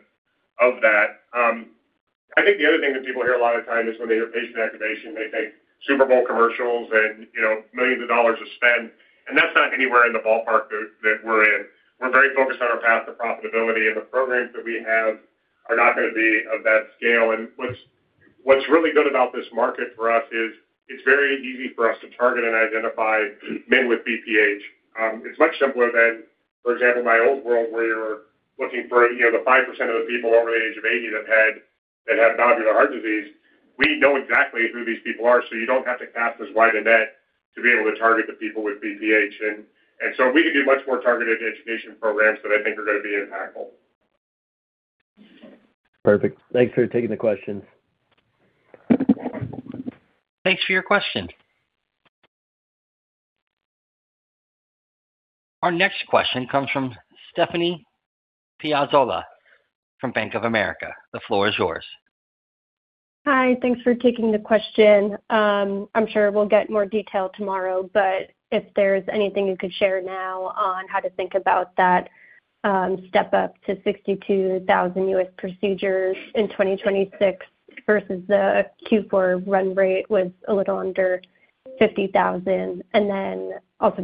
of that. I think the other thing that people hear a lot of time is when they hear patient activation, they think Super Bowl commercials and, you know, millions of dollars are spent, and that's not anywhere in the ballpark that we're in. We're very focused on our path to profitability, and the programs that we have are not going to be of that scale. What's really good about this market for us is it's very easy for us to target and identify men with BPH. It's much simpler than, for example, my old world, where you're looking for, you know, the 5% of the people over the age of 80 that have nodular heart disease. We know exactly who these people are, so you don't have to cast as wide a net to be able to target the people with BPH. We can do much more targeted education programs that I think are going to be impactful. Perfect. Thanks for taking the question. Thanks for your question. Our next question comes from Stephanie Piazzola from Bank of America. The floor is yours. Hi, thanks for taking the question. I'm sure we'll get more detail tomorrow, but if there's anything you could share now on how to think about that, step up to 62,000 U.S. procedures in 2026 versus the Q4 run rate was a little under 50,000.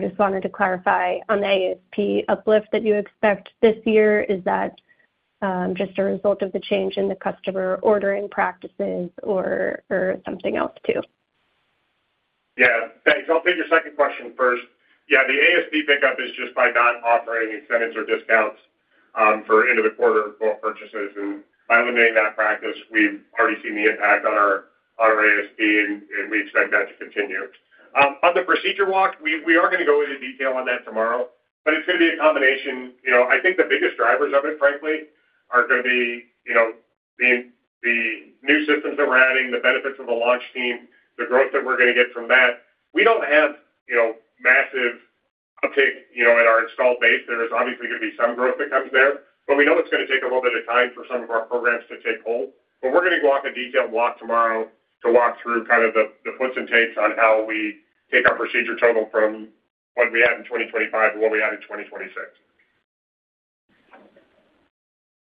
Just wanted to clarify on the ASP uplift that you expect this year, is that, just a result of the change in the customer ordering practices or something else, too? Yeah, thanks. I'll take your second question first. Yeah, the ASP pickup is just by not offering incentives or discounts for end of the quarter purchases. By eliminating that practice, we've already seen the impact on our ASP, and we expect that to continue. On the procedure walk, we are going to go into detail on that tomorrow, but it's going to be a combination. You know, I think the biggest drivers of it, frankly, are going to be, you know, the new systems that we're adding, the benefits of the launch team, the growth that we're going to get from that. We don't have, you know, massive uptake, you know, in our installed base. There is obviously going to be some growth that comes there, we know it's going to take a little bit of time for some of our programs to take hold. We're going to go out in a detailed walk tomorrow to walk through kind of the foots and takes on how we take our procedure total from what we had in 2025 to what we had in 2026.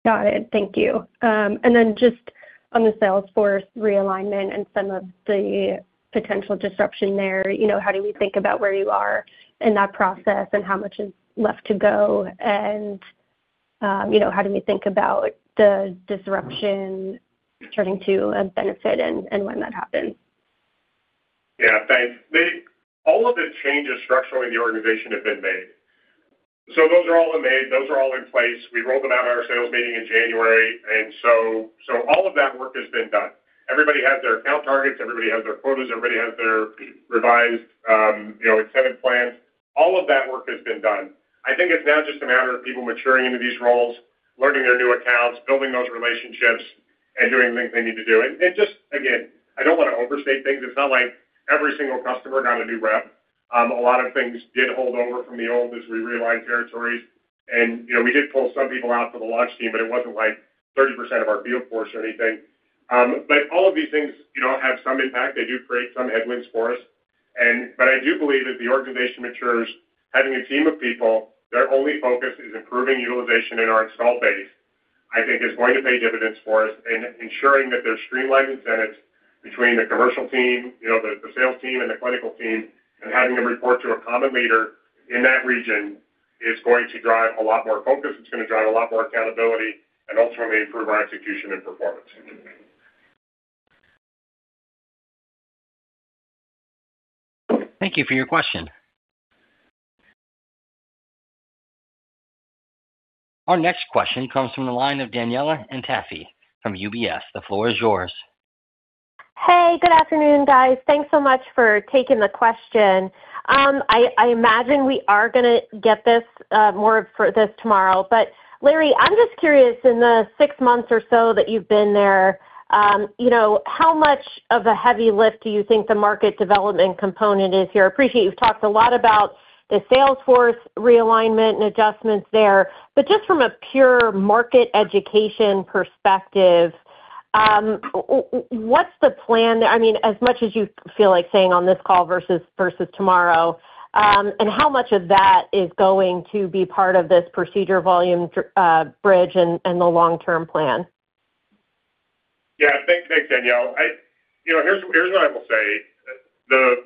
Got it. Thank you. Then just on the sales force realignment and some of the potential disruption there, you know, how do we think about where you are in that process and how much is left to go? You know, how do we think about the disruption turning to a benefit and when that happens? Yeah, thanks. All of the changes structurally in the organization have been made. So those are all in made, those are all in place. We rolled them out at our sales meeting in January. All of that work has been done. Everybody has their account targets, everybody has their quotas, everybody has their revised, you know, incentive plans. All of that work has been done. Just again, I don't want to overstate things. It's not like every single customer got a new rep. A lot of things did hold over from the old as we realigned territories. You know, we did pull some people out for the launch team, but it wasn't like 30% of our field force or anything. All of these things, you know, have some impact. They do create some headwinds for us. I do believe that the organization matures, having a team of people, their only focus is improving utilization in our installed base, I think is going to pay dividends for us and ensuring that there's streamlined incentives between the commercial team, you know, the sales team and the clinical team, and having them report to a common leader in that region is going to drive a lot more focus. It's going to drive a lot more accountability and ultimately improve our execution and performance. Thank you for your question. Our next question comes from the line of Danielle Antalffy from UBS. The floor is yours. Hey, good afternoon, guys. Thanks so much for taking the question. I imagine we are gonna get this more for this tomorrow, but Larry, I'm just curious, in the six months or so that you've been there, you know, how much of a heavy lift do you think the market development component is here? I appreciate you've talked a lot about the sales force realignment and adjustments there, but just from a pure market education perspective, what's the plan? I mean, as much as you feel like saying on this call versus tomorrow, and how much of that is going to be part of this procedure volume bridge and the long-term plan? Yeah. Thanks, Danielle. You know, here's what I will say.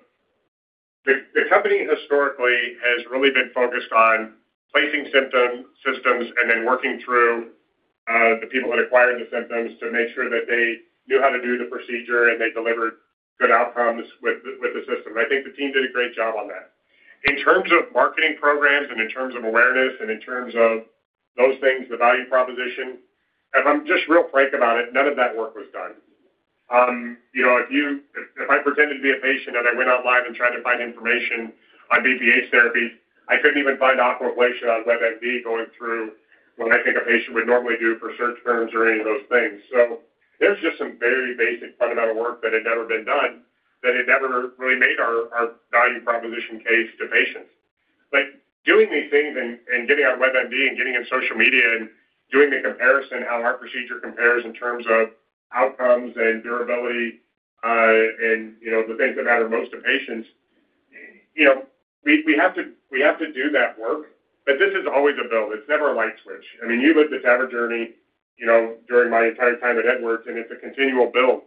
The company historically has really been focused on placing systems and then working through the people that acquired the systems to make sure that they knew how to do the procedure and they delivered good outcomes with the, with the system. I think the team did a great job on that. In terms of marketing programs and in terms of awareness and in terms of those things, the value proposition, if I'm just real frank about it, none of that work was done. You know, if I pretended to be a patient, and I went online and tried to find information on BPH therapy, I couldn't even find Aquablation on WebMD going through what I think a patient would normally do for search terms or any of those things. There's just some very basic fundamental work that had never been done, that had never really made our value proposition case to patients. Doing these things and getting on WebMD and getting in social media and doing the comparison, how our procedure compares in terms of outcomes and durability, and, you know, the things that matter most to patients, you know, we have to, we have to do that work, but this is always a build. It's never a light switch. I mean, you've lived this Abbott journey, you know, during my entire time at Edwards, and it's a continual build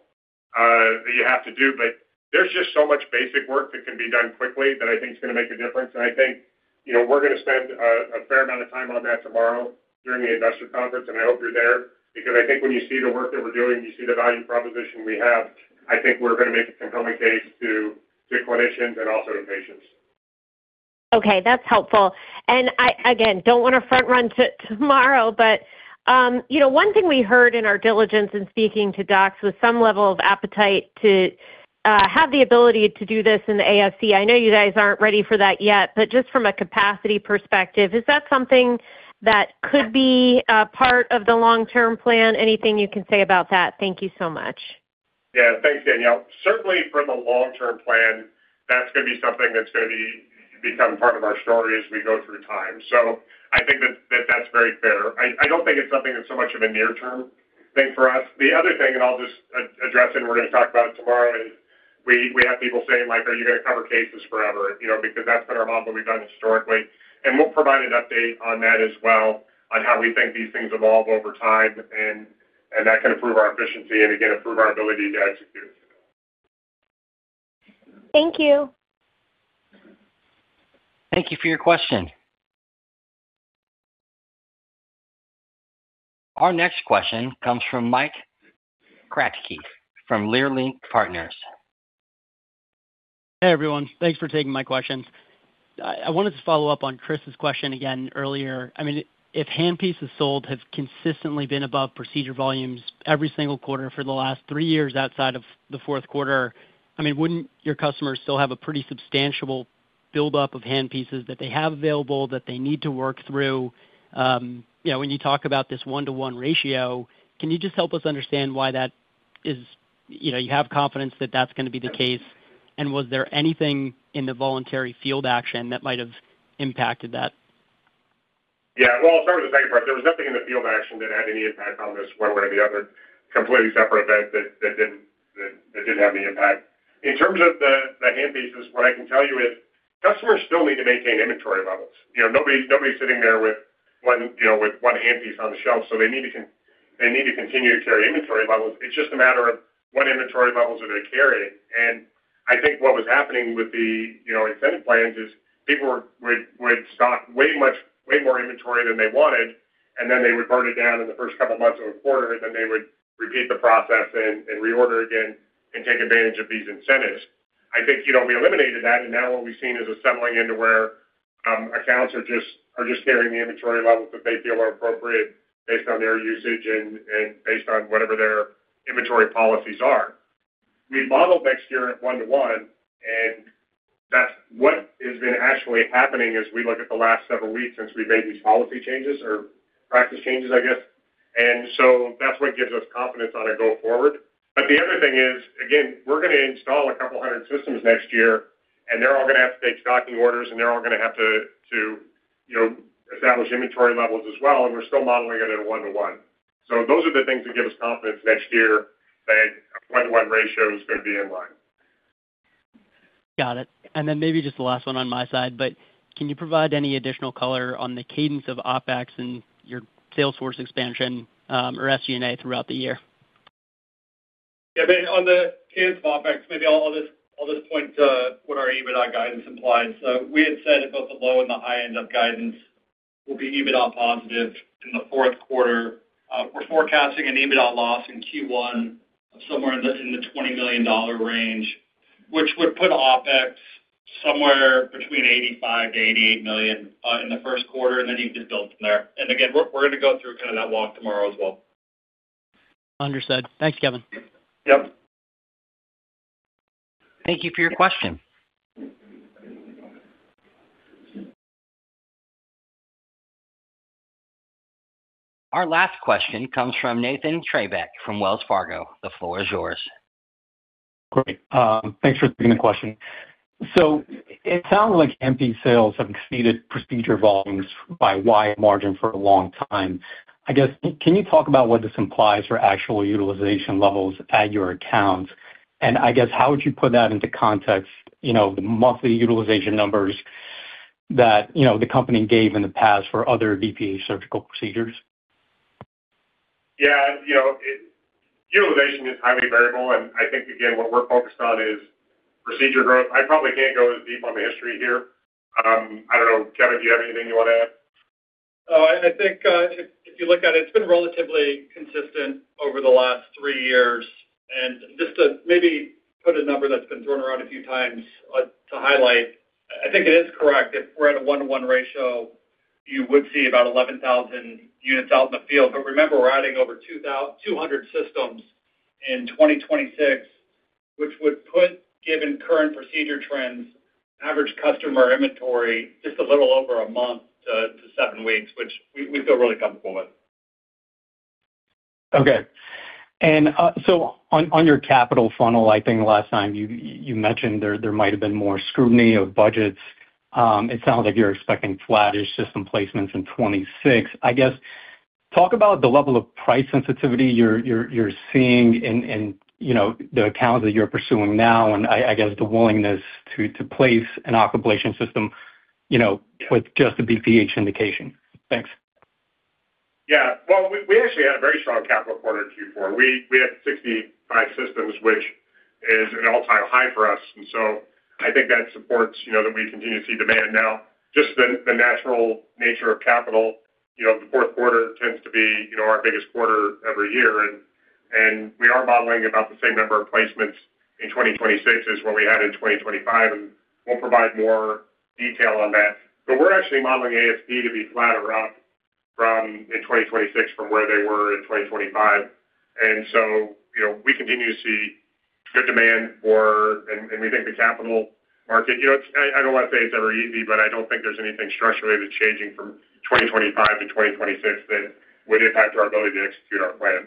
that you have to do. There's just so much basic work that can be done quickly that I think is going to make a difference. I think, you know, we're going to spend, a fair amount of time on that tomorrow during the investor conference, and I hope you're there. I think when you see the work that we're doing, you see the value proposition we have, I think we're going to make a compelling case to clinicians and also to patients. Okay, that's helpful. I, again, don't want to front run to tomorrow, but, you know, one thing we heard in our diligence in speaking to docs was some level of appetite to have the ability to do this in the ASC. I know you guys aren't ready for that yet, but just from a capacity perspective, is that something that could be part of the long-term plan? Anything you can say about that? Thank you so much. Yeah, thanks, Danielle. Certainly, for the long-term plan, that's going to become part of our story as we go through time. I think that that's very fair. I don't think it's something that's so much of a near-term thing for us. The other thing, I'll just address it, and we're going to talk about it tomorrow, is we have people saying, like, are you going to cover cases forever? You know, because that's been our model we've done historically. We'll provide an update on that as well, on how we think these things evolve over time, and that can improve our efficiency and again, improve our ability to execute. Thank you. Thank you for your question. Our next question comes from Mike Kratky from SVB Leerink. Hey, everyone. Thanks for taking my questions. I wanted to follow up on Chris's question again earlier. I mean, if handpiece is sold, has consistently been above procedure volumes every single quarter for the last three years, outside of the fourth quarter, I mean, wouldn't your customers still have a pretty substantial buildup of handpieces that they have available that they need to work through? You know, when you talk about this one-to-one ratio, can you just help us understand why that is. You know, you have confidence that that's going to be the case, and was there anything in the voluntary field action that might have impacted that? Yeah. Well, I'll start with the second part. There was nothing in the field action that had any impact on this one way or the other. Completely separate event that didn't have any impact. In terms of the handpieces, what I can tell you is customers still need to maintain inventory levels. You know, nobody's sitting there with one, you know, with one handpiece on the shelf, so they need to continue to carry inventory levels. It's just a matter of what inventory levels are they carrying. I think what was happening with the, you know, incentive plans is people would stock way much, way more inventory than they wanted, and then they would burn it down in the first couple of months of a quarter, and then they would repeat the process and reorder again and take advantage of these incentives. I think, you know, we eliminated that. Now what we've seen is a settling into where accounts are just carrying the inventory levels that they feel are appropriate based on their usage and based on whatever their inventory policies are. We modeled next year at one-to-one. That's what has been actually happening as we look at the last several weeks since we made these policy changes or practice changes, I guess. That's what gives us confidence on a go forward. The other thing is, again, we're going to install a couple hundred systems next year, and they're all going to have to take stocking orders, and they're all going to have to, you know, establish inventory levels as well, and we're still modeling it at a one-to-one. Those are the things that give us confidence next year that a one-to-one ratio is going to be in line. Got it. Maybe just the last one on my side, but can you provide any additional color on the cadence of OpEx and your sales force expansion, or SG&A throughout the year? Yeah, but on the cadence of OpEx, maybe I'll just point to what our EBITDA guidance implies. We had said that both the low and the high end of guidance will be EBITDA positive in the fourth quarter. We're forecasting an EBITDA loss in Q1 of somewhere in the $20 million range, which would put OpEx somewhere between $85 million-$88 million in the first quarter. You just build from there. Again, we're going to go through kind of that walk tomorrow as well. Understood. Thanks, Kevin. Yep. Thank you for your question. Our last question comes from Nathan Treybeck from Wells Fargo. The floor is yours. Great. Thanks for taking the question. It sounds like handpiece sales have exceeded procedure volumes by a wide margin for a long time. I guess, can you talk about what this implies for actual utilization levels at your accounts? I guess, how would you put that into context, you know, the monthly utilization numbers that, you know, the company gave in the past for other BPH surgical procedures? Yeah, you know, Utilization is highly variable, and I think, again, what we're focused on is procedure growth. I probably can't go as deep on the history here. I don't know. Kevin, do you have anything you want to add? I think if you look at it's been relatively consistent over the last 3 years. Just to maybe put a number that's been thrown around a few times, to highlight, I think it is correct if we're at a one-to-one ratio. You would see about 11,000 units out in the field. Remember, we're adding over 200 systems in 2026, which would put, given current procedure trends, average customer inventory just a little over one month to seven weeks, which we feel really comfortable with. On your capital funnel, I think last time you mentioned there might have been more scrutiny of budgets. It sounds like you're expecting flattish system placements in 2026. I guess, talk about the level of price sensitivity you're seeing in, you know, the accounts that you're pursuing now, and I guess, the willingness to place an occlusion system, you know, with just a BPH indication. Thanks. Yeah, well, we actually had a very strong capital quarter in Q4. We, we had 65 systems, which is an all-time high for us, and so I think that supports, you know, that we continue to see demand. Now, just the natural nature of capital, you know, the fourth quarter tends to be, you know, our biggest quarter every year, and we are modeling about the same number of placements in 2026 as what we had in 2025, and we'll provide more detail on that. We're actually modeling ASP to be flat or up from in 2026 from where they were in 2025. You know, we continue to see good demand for... We think the capital market, you know, I don't want to say it's ever easy, but I don't think there's anything structurally that's changing from 2025 to 2026 that would impact our ability to execute our plan.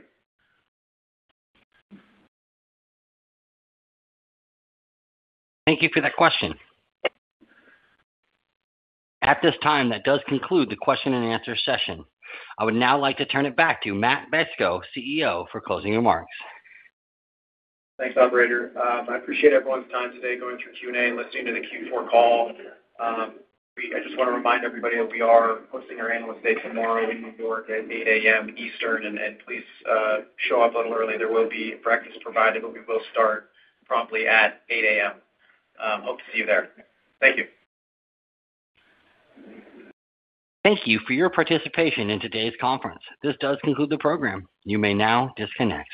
Thank you for that question. At this time, that does conclude the question-and-answer session. I would now like to turn it back to Matt Bacso, CEO, for closing remarks. Thanks, operator. I appreciate everyone's time today going through Q&A and listening to the Q4 call. I just want to remind everybody that we are hosting our Analyst Day tomorrow in New York at 8:00 A.M. Eastern, and please show up a little early. There will be breakfast provided, but we will start promptly at 8:00 A.M. Hope to see you there. Thank you. Thank you for your participation in today's conference. This does conclude the program. You may now disconnect.